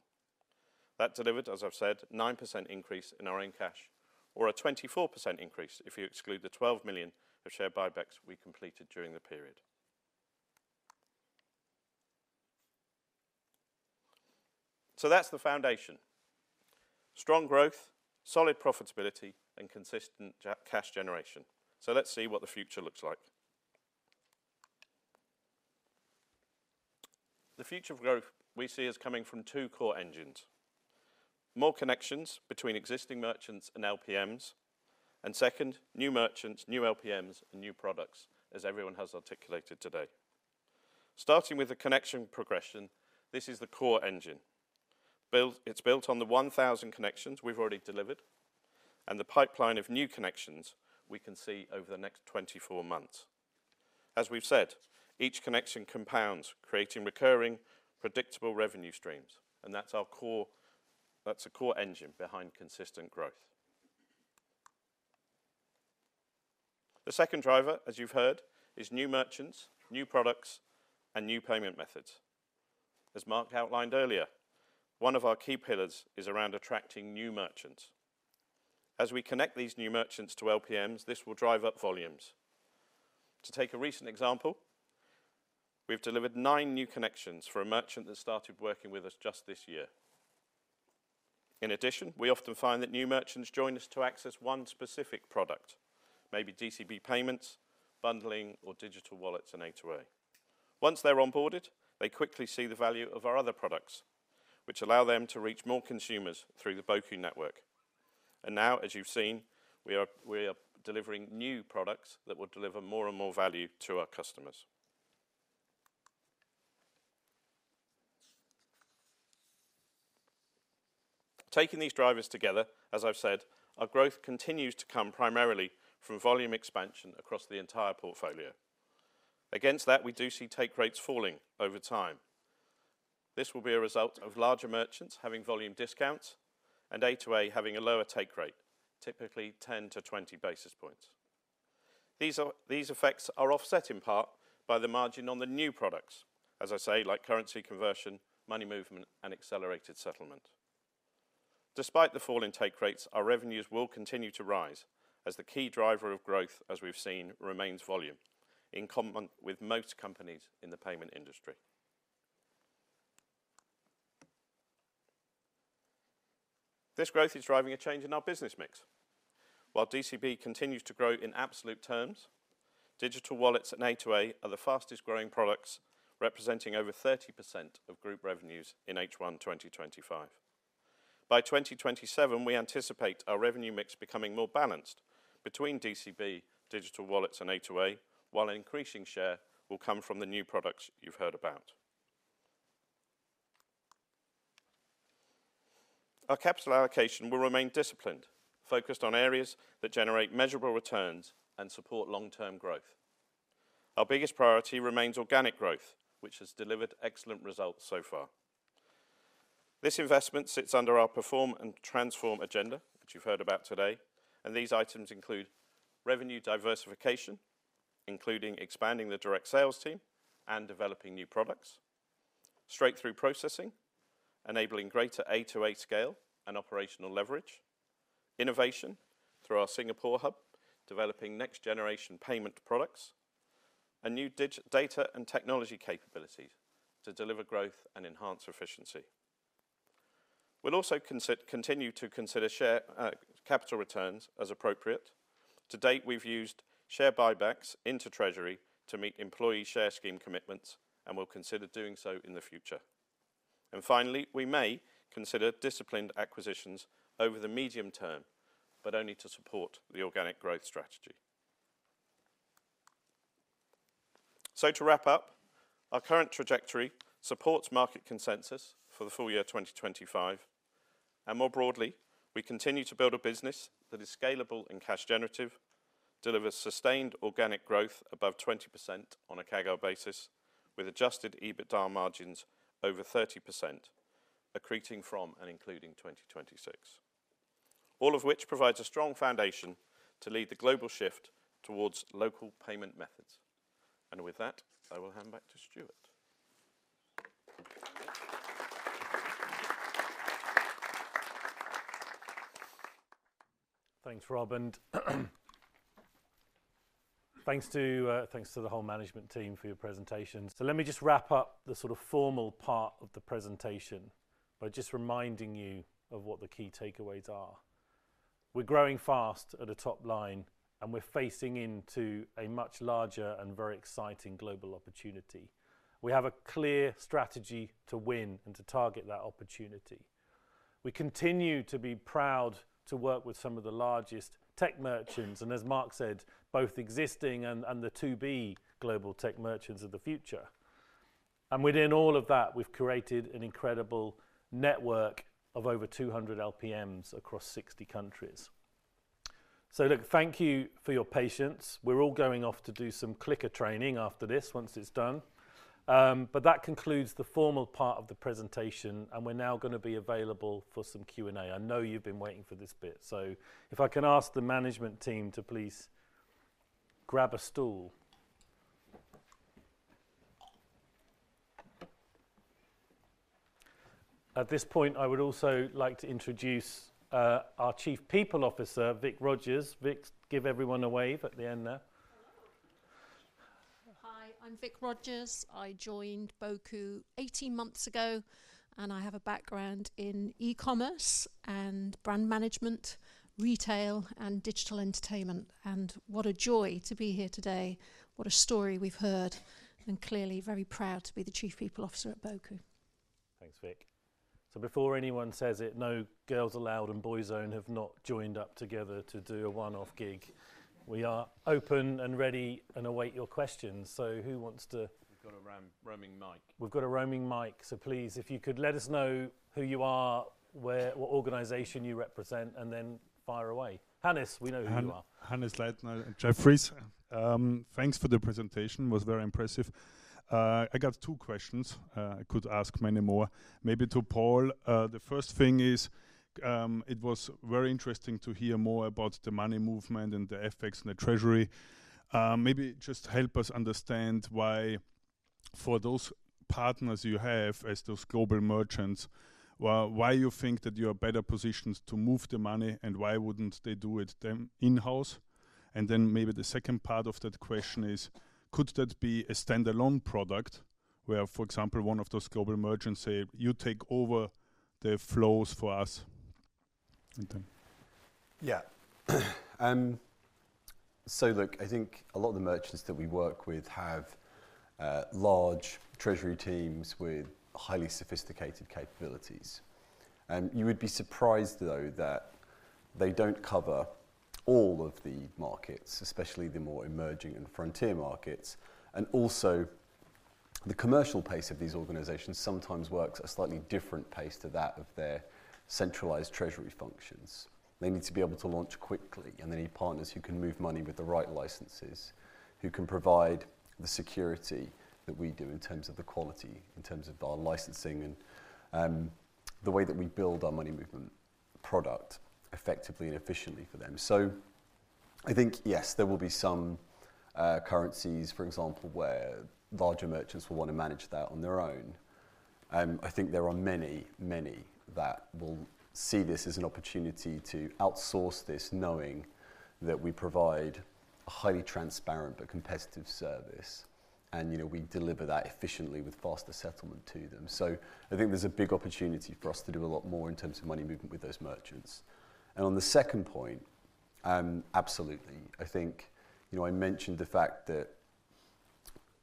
Speaker 8: That delivered, as I've said, a 9% increase in our own cash or a 24% increase if you exclude the $12 million of share buybacks we completed during the period. So that's the foundation: strong growth, solid profitability, and consistent cash generation. So let's see what the future looks like. The future of growth we see is coming from two core engines: more connections between existing merchants and LPMs, and second, new merchants, new LPMs, and new products, as everyone has articulated today. Starting with the connection progression, this is the core engine. It's built on the 1,000 connections we've already delivered and the pipeline of new connections we can see over the next 24 months. As we've said, each connection compounds, creating recurring, predictable revenue streams. And that's a core engine behind consistent growth. The second driver, as you've heard, is new merchants, new products, and new payment methods. As Mark outlined earlier, one of our key pillars is around attracting new merchants. As we connect these new merchants to LPMs, this will drive up volumes. To take a recent example, we've delivered nine new connections for a merchant that started working with us just this year. In addition, we often find that new merchants join us to access one specific product, maybe DCB payments, bundling, or digital wallets and A2A. Once they're onboarded, they quickly see the value of our other products, which allow them to reach more consumers through the Boku network, and now, as you've seen, we are delivering new products that will deliver more and more value to our customers. Taking these drivers together, as I've said, our growth continues to come primarily from volume expansion across the entire portfolio. Against that, we do see take rates falling over time. This will be a result of larger merchants having volume discounts and A2A having a lower take rate, typically 10-20 basis points. These effects are offset in part by the margin on the new products, as I say, like currency conversion, money movement, and accelerated settlement. Despite the fall in take rates, our revenues will continue to rise as the key driver of growth, as we've seen, remains volume in common with most companies in the payment industry. This growth is driving a change in our business mix. While DCB continues to grow in absolute terms, digital wallets and A2A are the fastest-growing products, representing over 30% of group revenues in H1 2025. By 2027, we anticipate our revenue mix becoming more balanced between DCB, digital wallets, and A2A, while an increasing share will come from the new products you've heard about. Our capital allocation will remain disciplined, focused on areas that generate measurable returns and support long-term growth. Our biggest priority remains organic growth, which has delivered excellent results so far. This investment sits under our Perform and Transform agenda, which you've heard about today, and these items include revenue diversification, including expanding the direct sales team and developing new products, straight-through processing, enabling greater A2A scale and operational leverage, innovation through our Singapore hub, developing next-generation payment products, and new data and technology capabilities to deliver growth and enhance efficiency. We'll also continue to consider capital returns as appropriate. To date, we've used share buybacks into treasury to meet employee share scheme commitments and will consider doing so in the future, and finally, we may consider disciplined acquisitions over the medium term, but only to support the organic growth strategy. To wrap up, our current trajectory supports market consensus for the full year 2025. And more broadly, we continue to build a business that is scalable and cash-generative, delivers sustained organic growth above 20% on a CAGR basis with Adjusted EBITDA margins over 30%, accreting from and including 2026, all of which provides a strong foundation to lead the global shift towards local payment methods. And with that, I will hand back to Stuart.
Speaker 1: Thanks, Rob. And thanks to the whole management team for your presentations. So let me just wrap up the sort of formal part of the presentation by just reminding you of what the key takeaways are. We're growing fast at a top line, and we're facing into a much larger and very exciting global opportunity. We have a clear strategy to win and to target that opportunity. We continue to be proud to work with some of the largest tech merchants, and as Mark said, both existing and the to-be global tech merchants of the future. And within all of that, we've created an incredible network of over 200 LPMs across 60 countries. So look, thank you for your patience. We're all going off to do some clicker training after this once it's done. But that concludes the formal part of the presentation, and we're now going to be available for some Q&A. I know you've been waiting for this bit. So if I can ask the management team to please grab a stool. At this point, I would also like to introduce our Chief People Officer, Vic Rogers. Vic, give everyone a wave at the end there.
Speaker 9: Hi, I'm Vic Rogers. I joined Boku 18 months ago, and I have a background in e-commerce and brand management, retail, and digital entertainment, and what a joy to be here today. What a story we've heard, and clearly, very proud to be the Chief People Officer at Boku.
Speaker 1: Thanks, Vic. So before anyone says it, no Girls Aloud and Boyzone have not joined up together to do a one-off gig. We are open and ready and await your questions. So who wants to?
Speaker 4: We've got a roaming mic.
Speaker 1: We've got a roaming mic. So please, if you could let us know who you are, what organization you represent, and then fire away. Hannes, we know who you are.
Speaker 10: Thanks for the presentation. It was very impressive. I got two questions. I could ask many more, maybe to Paul. The first thing is it was very interesting to hear more about the money movement and the effects in the treasury. Maybe just help us understand why, for those partners you have as those global merchants, why you think that you are better positioned to move the money and why wouldn't they do it in-house. And then maybe the second part of that question is, could that be a standalone product where, for example, one of those global merchants say, "you take over the flows for us"?
Speaker 4: Yeah. So look, I think a lot of the merchants that we work with have large treasury teams with highly sophisticated capabilities. You would be surprised, though, that they don't cover all of the markets, especially the more emerging and frontier markets. And also, the commercial pace of these organizations sometimes works a slightly different pace to that of their centralized treasury functions. They need to be able to launch quickly, and they need partners who can move money with the right licenses, who can provide the security that we do in terms of the quality, in terms of our licensing, and the way that we build our money movement product effectively and efficiently for them. So I think, yes, there will be some currencies, for example, where larger merchants will want to manage that on their own. I think there are many, many that will see this as an opportunity to outsource this, knowing that we provide a highly transparent but competitive service, and we deliver that efficiently with faster settlement to them. So I think there's a big opportunity for us to do a lot more in terms of money movement with those merchants. And on the second point, absolutely. I think I mentioned the fact that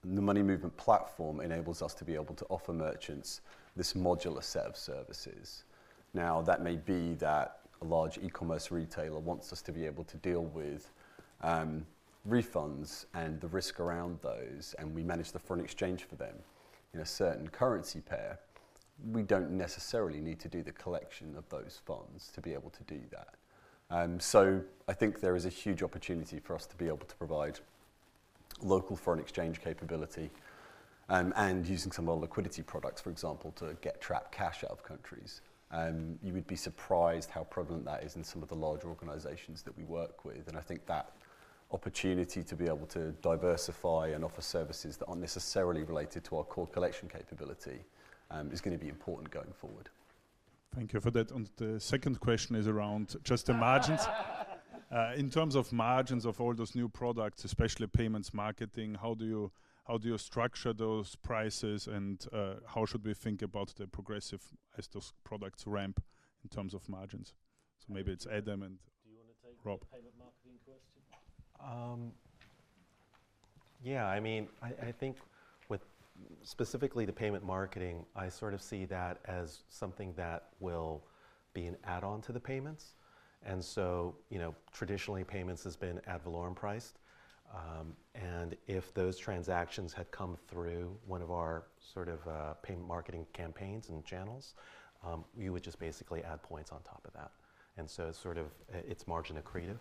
Speaker 4: the money movement platform enables us to be able to offer merchants this modular set of services. Now, that may be that a large e-commerce retailer wants us to be able to deal with refunds and the risk around those, and we manage the foreign exchange for them in a certain currency pair. We don't necessarily need to do the collection of those funds to be able to do that. So I think there is a huge opportunity for us to be able to provide local foreign exchange capability and using some of our liquidity products, for example, to get trapped cash out of countries. You would be surprised how prevalent that is in some of the large organizations that we work with. And I think that opportunity to be able to diversify and offer services that aren't necessarily related to our core collection capability is going to be important going forward.
Speaker 10: Thank you for that. And the second question is around just the margins. In terms of margins of all those new products, especially payments marketing, how do you structure those prices, and how should we think about the progression as those products ramp in terms of margins? So maybe it's Adam.
Speaker 1: Do you want to take the payment marketing question?
Speaker 3: Yeah. I mean, I think with specifically the payment marketing, I sort of see that as something that will be an add-on to the payments. And so traditionally, payments has been ad valorem priced. And if those transactions had come through one of our sort of payment marketing campaigns and channels, you would just basically add points on top of that. And so it's sort of its margin accretive.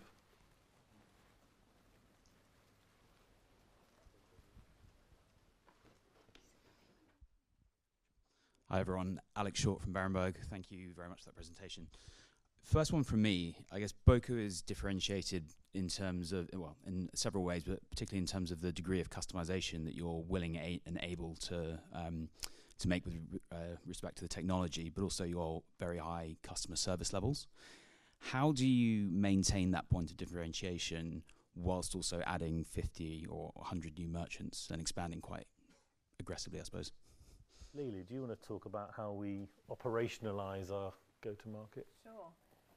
Speaker 11: Hi, everyone. Alex Short from Berenberg. Thank you very much for that presentation. First one for me, I guess Boku is differentiated in terms of, well, in several ways, but particularly in terms of the degree of customization that you're willing and able to make with respect to the technology, but also your very high customer service levels. How do you maintain that point of differentiation whilst also adding 50 or 100 new merchants and expanding quite aggressively, I suppose?
Speaker 1: Leila, do you want to talk about how we operationalize our go-to-market?
Speaker 6: Sure.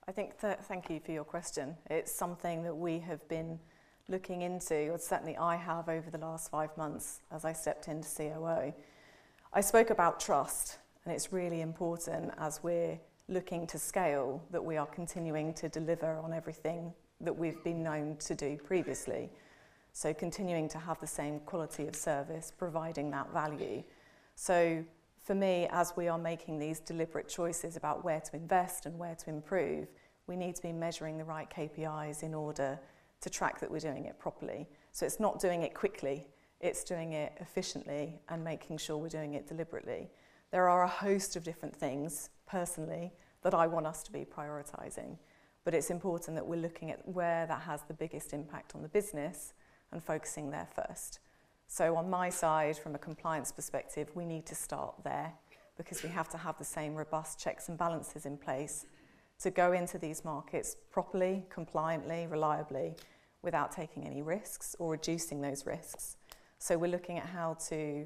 Speaker 6: I think, thank you for your question. It's something that we have been looking into, or certainly I have over the last five months as I stepped into COO. I spoke about trust, and it's really important as we're looking to scale that we are continuing to deliver on everything that we've been known to do previously. So continuing to have the same quality of service, providing that value. So for me, as we are making these deliberate choices about where to invest and where to improve, we need to be measuring the right KPIs in order to track that we're doing it properly. So it's not doing it quickly. It's doing it efficiently and making sure we're doing it deliberately. There are a host of different things personally that I want us to be prioritizing, but it's important that we're looking at where that has the biggest impact on the business and focusing there first. So on my side, from a compliance perspective, we need to start there because we have to have the same robust checks and balances in place to go into these markets properly, compliantly, reliably, without taking any risks or reducing those risks. So we're looking at how to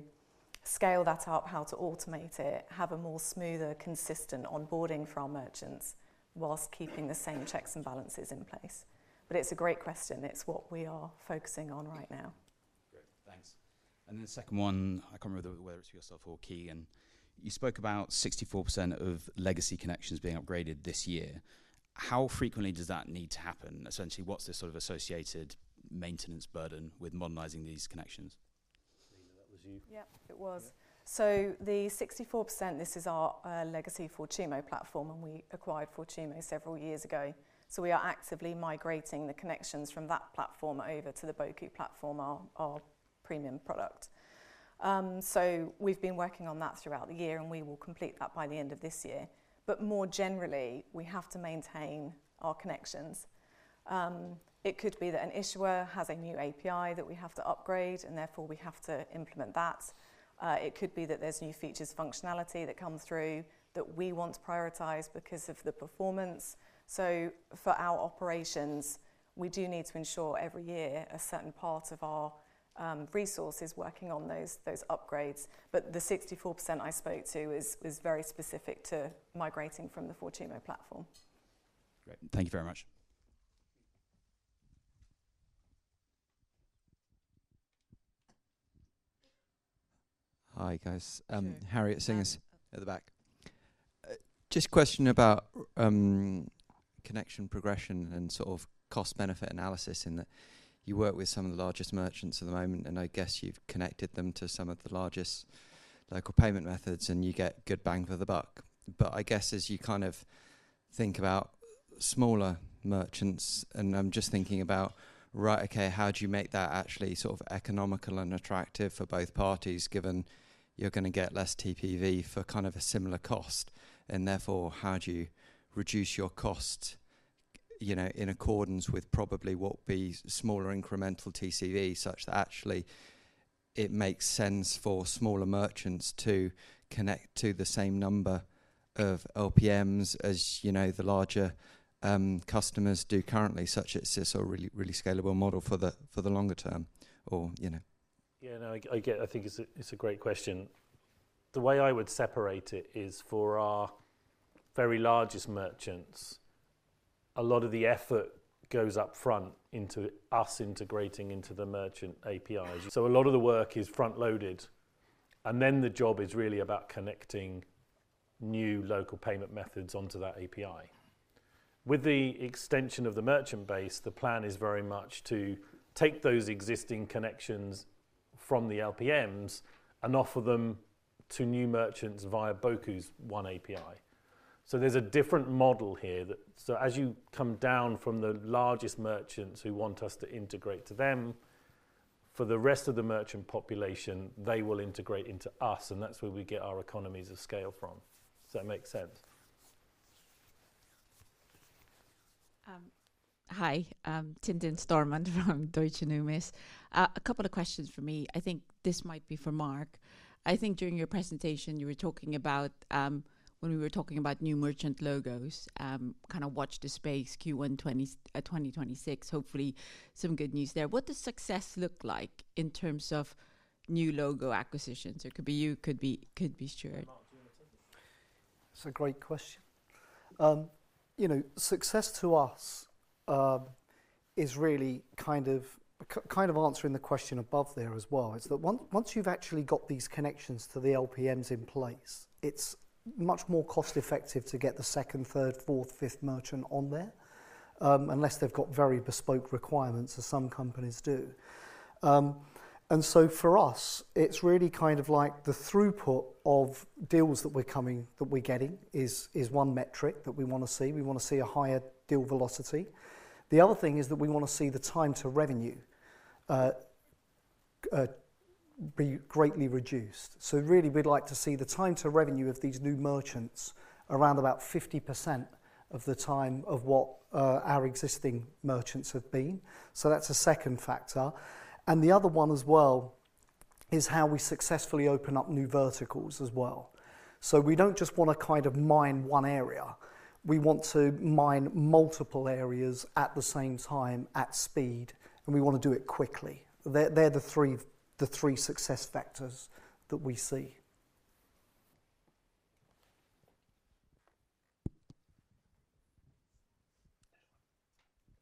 Speaker 6: scale that up, how to automate it, have a more smoother, consistent onboarding for our merchants while keeping the same checks and balances in place. But it's a great question. It's what we are focusing on right now.
Speaker 11: Great. Thanks. And then the second one, I can't remember whether it's for yourself or Keegan. You spoke about 64% of legacy connections being upgraded this year. How frequently does that need to happen? Essentially, what's this sort of associated maintenance burden with modernizing these connections?
Speaker 1: Leila, that was you.
Speaker 6: Yeah, it was. So the 64%, this is our legacy Fortumo platform, and we acquired Fortumo several years ago. So we are actively migrating the connections from that platform over to the Boku Platform, our premium product. So we've been working on that throughout the year, and we will complete that by the end of this year. But more generally, we have to maintain our connections. It could be that an issuer has a new API that we have to upgrade, and therefore we have to implement that. It could be that there's new features, functionality that comes through that we want to prioritize because of the performance. So for our operations, we do need to ensure every year a certain part of our resource is working on those upgrades. But the 64% I spoke to is very specific to migrating from the Fortumo platform.
Speaker 11: Great. Thank you very much.
Speaker 12: Hi, guys. Harriet Singh is at the back. Just a question about connection progression and sort of cost-benefit analysis in that you work with some of the largest merchants at the moment, and I guess you've connected them to some of the largest local payment methods, and you get good bang for the buck. But I guess as you kind of think about smaller merchants, and I'm just thinking about, right, okay, how do you make that actually sort of economical and attractive for both parties, given you're going to get less TPV for kind of a similar cost? And therefore, how do you reduce your costs in accordance with probably what would be smaller incremental TCV such that actually it makes sense for smaller merchants to connect to the same number of LPMs as the larger customers do currently, such as this really scalable model for the longer term?
Speaker 1: Yeah, no, I think it's a great question. The way I would separate it is for our very largest merchants, a lot of the effort goes upfront into us integrating into the merchant APIs. So a lot of the work is front-loaded, and then the job is really about connecting new local payment methods onto that API. With the extension of the merchant base, the plan is very much to take those existing connections from the LPMs and offer them to new merchants via Boku's one API. So there's a different model here. So as you come down from the largest merchants who want us to integrate to them, for the rest of the merchant population, they will integrate into us, and that's where we get our economies of scale from. Does that make sense?
Speaker 13: Hi, Tintin Stormont from Deutsche Numis. A couple of questions for me. I think this might be for Mark. I think during your presentation, you were talking about when we were talking about new merchant logos, kind of watch the space Q1 2026, hopefully some good news there. What does success look like in terms of new logo acquisitions? It could be you, could be Stuart.
Speaker 5: That's a great question. Success to us is really kind of answering the question above there as well. It's that once you've actually got these connections to the LPMs in place, it's much more cost-effective to get the second, third, fourth, fifth merchant on there unless they've got very bespoke requirements, as some companies do. And so for us, it's really kind of like the throughput of deals that we're getting is one metric that we want to see. We want to see a higher deal velocity. The other thing is that we want to see the time to revenue be greatly reduced. So really, we'd like to see the time to revenue of these new merchants around about 50% of the time of what our existing merchants have been. So that's a second factor. The other one as well is how we successfully open up new verticals as well. We don't just want to kind of mine one area. We want to mine multiple areas at the same time at speed, and we want to do it quickly. They're the three success factors that we see.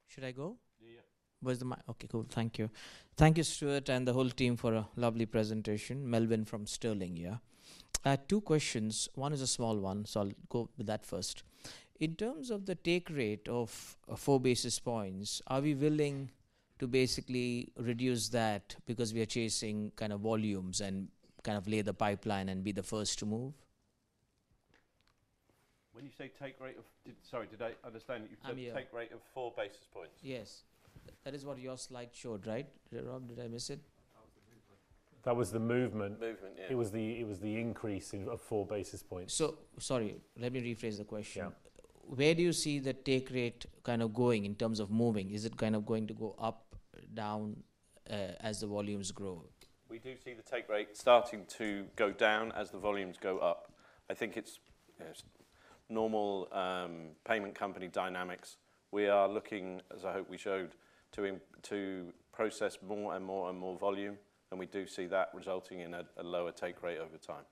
Speaker 14: Should I go?
Speaker 1: Yeah.
Speaker 14: Okay, cool. Thank you. Thank you, Stuart and the whole team for a lovely presentation. Melvin from Sterling, yeah. Two questions. One is a small one, so I'll go with that first. In terms of the take rate of four basis points, are we willing to basically reduce that because we are chasing kind of volumes and kind of lay the pipeline and be the first to move?
Speaker 4: When you say take rate of, sorry, did I understand that you said take rate of four basis points?
Speaker 14: Yes. That is what your slide showed, right? Rob, did I miss it?
Speaker 4: That was the movement.
Speaker 1: Movement, yeah.
Speaker 4: It was the increase of four basis points.
Speaker 14: So sorry, let me rephrase the question. Where do you see the take rate kind of going in terms of moving? Is it kind of going to go up, down as the volumes grow?
Speaker 8: We do see the take rate starting to go down as the volumes go up. I think it's normal payment company dynamics. We are looking, as I hope we showed, to process more and more and more volume, and we do see that resulting in a lower take rate over time.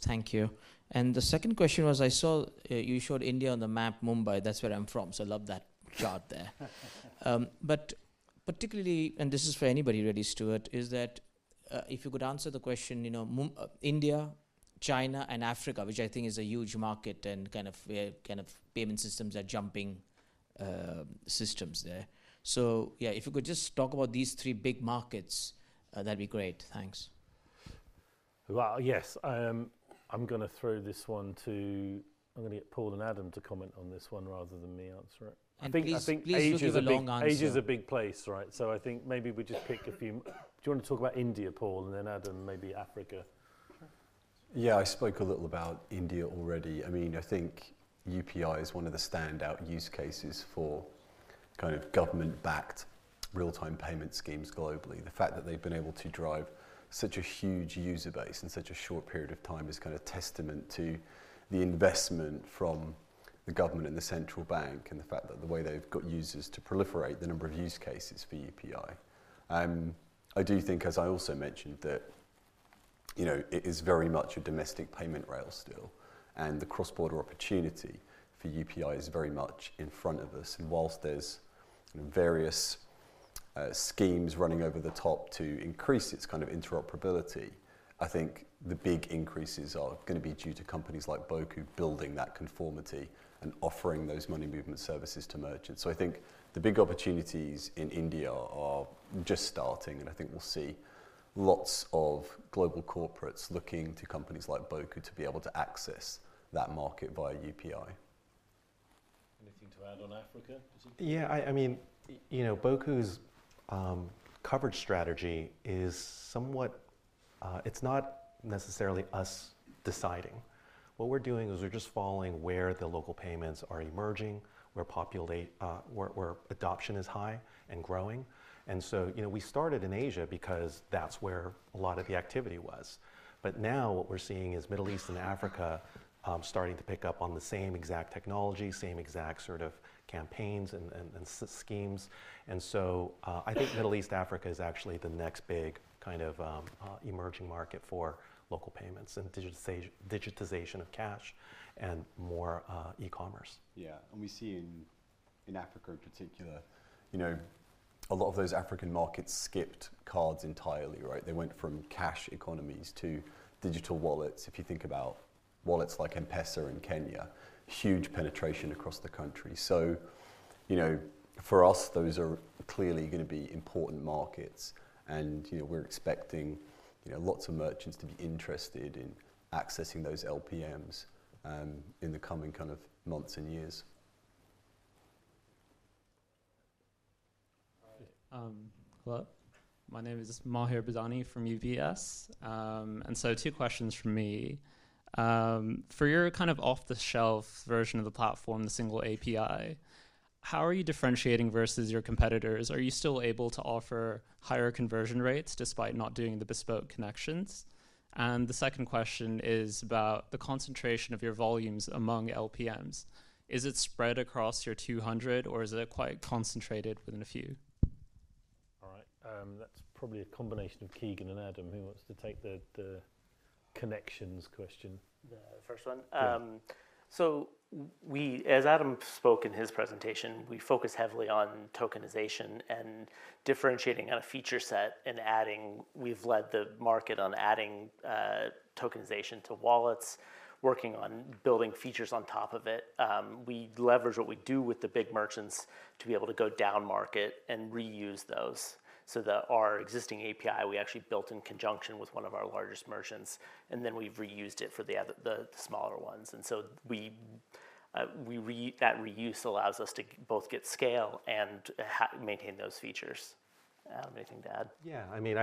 Speaker 14: Thank you. And the second question was I saw you showed India on the map, Mumbai. That's where I'm from, so I love that chart there. But particularly, and this is for anybody really, Stuart, is that if you could answer the question, India, China, and Africa, which I think is a huge market and kind of payment systems are jumping systems there. So yeah, if you could just talk about these three big markets, that'd be great. Thanks.
Speaker 1: Yes, I'm going to get Paul and Adam to comment on this one rather than me answer it. I think Asia is a big place, right? So I think maybe we just pick a few. Do you want to talk about India, Paul, and then Adam, maybe Africa?
Speaker 4: Yeah, I spoke a little about India already. I mean, I think UPI is one of the standout use cases for kind of government-backed real-time payment schemes globally. The fact that they've been able to drive such a huge user base in such a short period of time is kind of testament to the investment from the government and the central bank and the fact that the way they've got users to proliferate the number of use cases for UPI. I do think, as I also mentioned, that it is very much a domestic payment rail still, and the cross-border opportunity for UPI is very much in front of us. While there's various schemes running over the top to increase its kind of interoperability, I think the big increases are going to be due to companies like Boku building that conformity and offering those money movement services to merchants. I think the big opportunities in India are just starting, and I think we'll see lots of global corporates looking to companies like Boku to be able to access that market via UPI.
Speaker 1: Anything to add on Africa?
Speaker 3: Yeah, I mean, Boku's coverage strategy is somewhat, it's not necessarily us deciding. What we're doing is we're just following where the local payments are emerging, where adoption is high and growing. And so we started in Asia because that's where a lot of the activity was. But now what we're seeing is Middle East and Africa starting to pick up on the same exact technology, same exact sort of campaigns and schemes. And so I think Middle East, Africa is actually the next big kind of emerging market for local payments and digitization of cash and more e-commerce.
Speaker 4: Yeah, and we see in Africa in particular, a lot of those African markets skipped cards entirely, right? They went from cash economies to digital wallets. If you think about wallets like M-Pesa in Kenya, huge penetration across the country. So for us, those are clearly going to be important markets, and we're expecting lots of merchants to be interested in accessing those LPMs in the coming kind of months and years.
Speaker 15: Hello, my name is Mahir Bidani from UBS, and so two questions for me. For your kind of off-the-shelf version of the platform, the single API, how are you differentiating versus your competitors? Are you still able to offer higher conversion rates despite not doing the bespoke connections? And the second question is about the concentration of your volumes among LPMs. Is it spread across your 200, or is it quite concentrated within a few?
Speaker 1: All right, that's probably a combination of Keegan and Adam. Who wants to take the connections question?
Speaker 7: The first one. So as Adam spoke in his presentation, we focus heavily on tokenization and differentiating on a feature set and adding. We've led the market on adding tokenization to wallets, working on building features on top of it. We leverage what we do with the big merchants to be able to go down market and reuse those. So our existing API, we actually built in conjunction with one of our largest merchants, and then we've reused it for the smaller ones. And so that reuse allows us to both get scale and maintain those features. Anything to add?
Speaker 3: Yeah, I mean,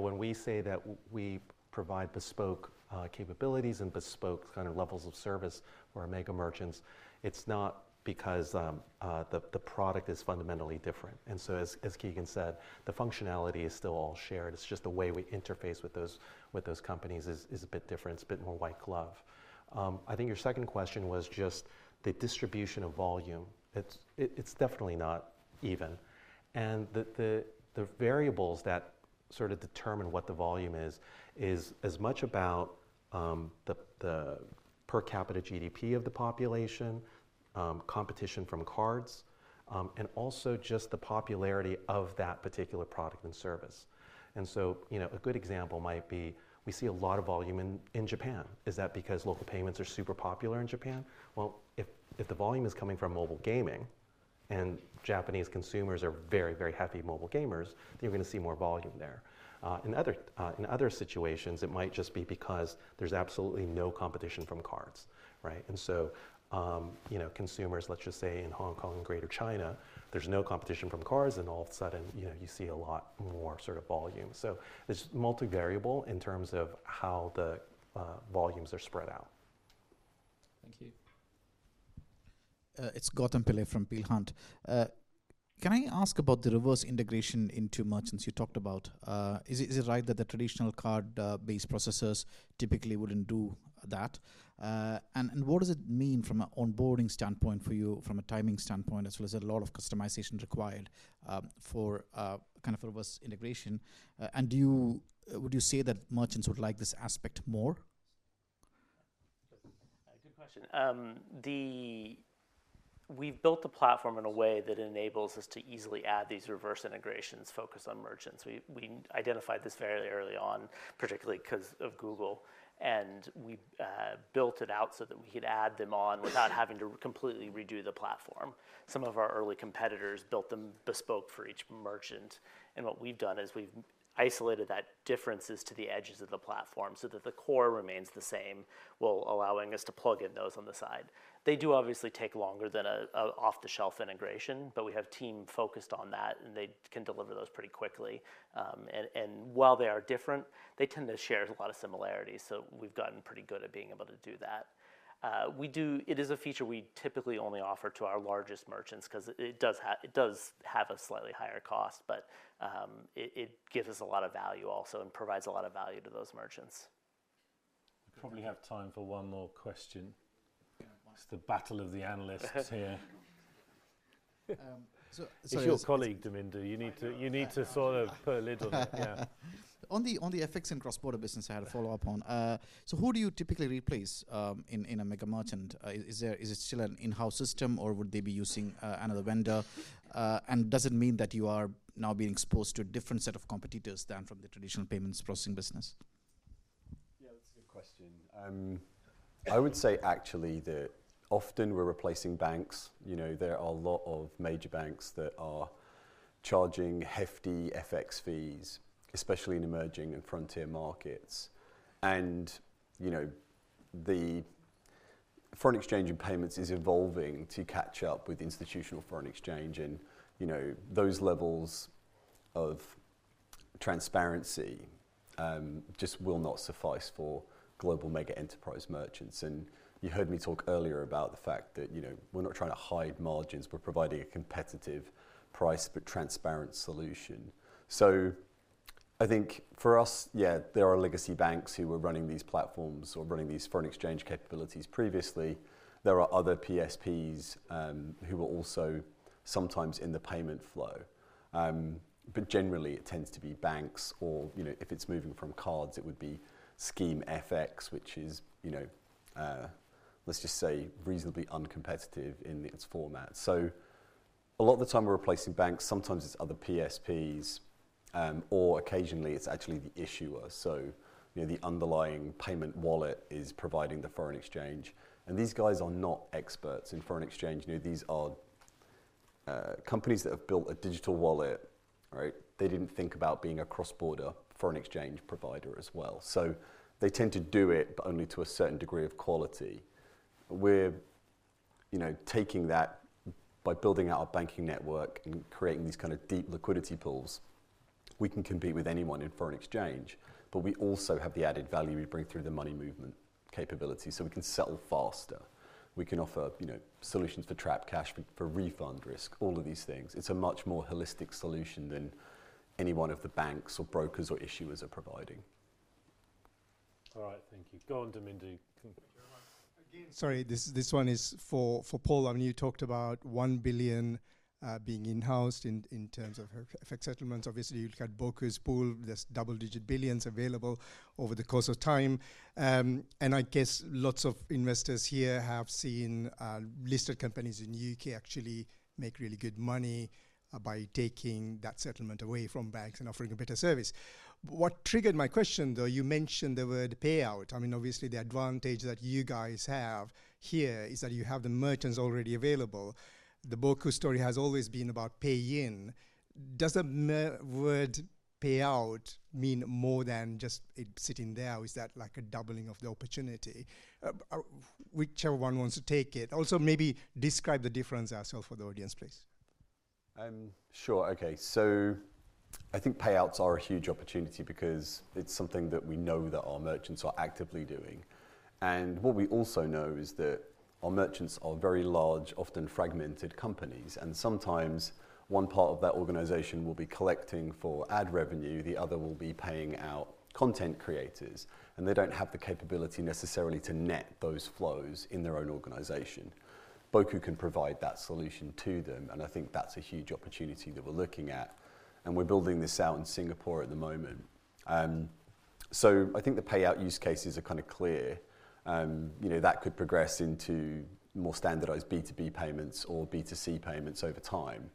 Speaker 3: when we say that we provide bespoke capabilities and bespoke kind of levels of service for our mega merchants, it's not because the product is fundamentally different. And so as Keegan said, the functionality is still all shared. It's just the way we interface with those companies is a bit different. It's a bit more white glove. I think your second question was just the distribution of volume. It's definitely not even. And the variables that sort of determine what the volume is, is as much about the per capita GDP of the population, competition from cards, and also just the popularity of that particular product and service. And so a good example might be we see a lot of volume in Japan. Is that because local payments are super popular in Japan? If the volume is coming from mobile gaming and Japanese consumers are very, very happy mobile gamers, then you're going to see more volume there. In other situations, it might just be because there's absolutely no competition from cards, right? And so consumers, let's just say in Hong Kong and Greater China, there's no competition from cards, and all of a sudden, you see a lot more sort of volume. So it's multivariable in terms of how the volumes are spread out.
Speaker 15: Thank you.
Speaker 16: It's Gautam Pillai from Peel Hunt. Can I ask about the reverse integration into merchants you talked about? Is it right that the traditional card-based processors typically wouldn't do that? And what does it mean from an onboarding standpoint for you, from a timing standpoint, as well as a lot of customization required for kind of reverse integration? And would you say that merchants would like this aspect more?
Speaker 7: Good question. We've built the platform in a way that enables us to easily add these reverse integrations focused on merchants. We identified this fairly early on, particularly because of Google, and we built it out so that we could add them on without having to completely redo the platform. Some of our early competitors built them bespoke for each merchant, and what we've done is we've isolated those differences to the edges of the platform so that the core remains the same, while allowing us to plug in those on the side. They do obviously take longer than an off-the-shelf integration, but we have a team focused on that, and they can deliver those pretty quickly, and while they are different, they tend to share a lot of similarities, so we've gotten pretty good at being able to do that. It is a feature we typically only offer to our largest merchants because it does have a slightly higher cost, but it gives us a lot of value also and provides a lot of value to those merchants.
Speaker 1: We probably have time for one more question. It's the battle of the analysts here. It's your colleague, Damindu. You need to sort of pass it on.
Speaker 17: On the FX and cross-border business, I had a follow-up on. So, who do you typically replace in a mega merchant? Is it still an in-house system, or would they be using another vendor? And does it mean that you are now being exposed to a different set of competitors than from the traditional payments processing business?
Speaker 4: Yeah, that's a good question. I would say actually that often we're replacing banks. There are a lot of major banks that are charging hefty FX fees, especially in emerging and frontier markets. And the foreign exchange and payments is evolving to catch up with institutional foreign exchange. And those levels of transparency just will not suffice for global mega enterprise merchants. And you heard me talk earlier about the fact that we're not trying to hide margins. We're providing a competitive price, but transparent solution. So I think for us, yeah, there are legacy banks who were running these platforms or running these foreign exchange capabilities previously. There are other PSPs who are also sometimes in the payment flow. But generally, it tends to be banks, or if it's moving from cards, it would be scheme FX, which is, let's just say, reasonably uncompetitive in its format. So a lot of the time we're replacing banks. Sometimes it's other PSPs, or occasionally it's actually the issuer. So the underlying payment wallet is providing the foreign exchange. And these guys are not experts in foreign exchange. These are companies that have built a digital wallet, right? They didn't think about being a cross-border foreign exchange provider as well. So they tend to do it, but only to a certain degree of quality. We're taking that by building out our banking network and creating these kind of deep liquidity pools. We can compete with anyone in foreign exchange, but we also have the added value we bring through the money movement capability. So we can settle faster. We can offer solutions for trapped cash, for refund risk, all of these things. It's a much more holistic solution than any one of the banks or brokers or issuers are providing.
Speaker 1: All right, thank you. Go on, Damindu.
Speaker 17: Sorry, this one is for Paul. I mean, you talked about one billion being in-house in terms of FX settlements. Obviously, you look at Boku's pool. There's double-digit billions available over the course of time. And I guess lots of investors here have seen listed companies in the U.K. actually make really good money by taking that settlement away from banks and offering a better service. What triggered my question, though, you mentioned the word payout. I mean, obviously the advantage that you guys have here is that you have the merchants already available. The Boku story has always been about pay-in. Does the word payout mean more than just it sitting there? Is that like a doubling of the opportunity? Whichever one wants to take it. Also, maybe describe the difference as well for the audience, please.
Speaker 4: Sure, okay. So I think payouts are a huge opportunity because it's something that we know that our merchants are actively doing. And what we also know is that our merchants are very large, often fragmented companies. And sometimes one part of that organization will be collecting for ad revenue. The other will be paying out content creators. And they don't have the capability necessarily to net those flows in their own organization. Boku can provide that solution to them. And I think that's a huge opportunity that we're looking at. And we're building this out in Singapore at the moment. So I think the payout use cases are kind of clear. That could progress into more standardized B2B payments or B2C payments over time.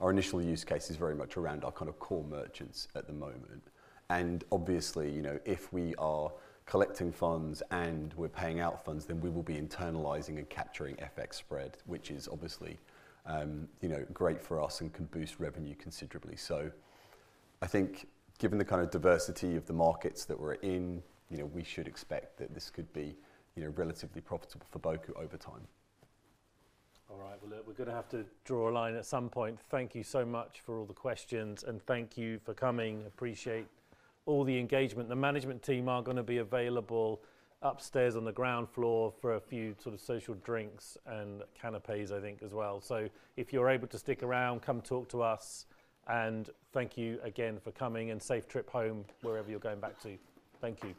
Speaker 4: Our initial use case is very much around our kind of core merchants at the moment. Obviously, if we are collecting funds and we're paying out funds, then we will be internalizing and capturing FX spread, which is obviously great for us and can boost revenue considerably. I think given the kind of diversity of the markets that we're in, we should expect that this could be relatively profitable for Boku over time.
Speaker 1: All right, well, we're going to have to draw a line at some point. Thank you so much for all the questions, and thank you for coming. Appreciate all the engagement. The management team are going to be available upstairs on the ground floor for a few sort of social drinks and canapés, I think, as well. So if you're able to stick around, come talk to us. And thank you again for coming, and safe trip home wherever you're going back to. Thank you.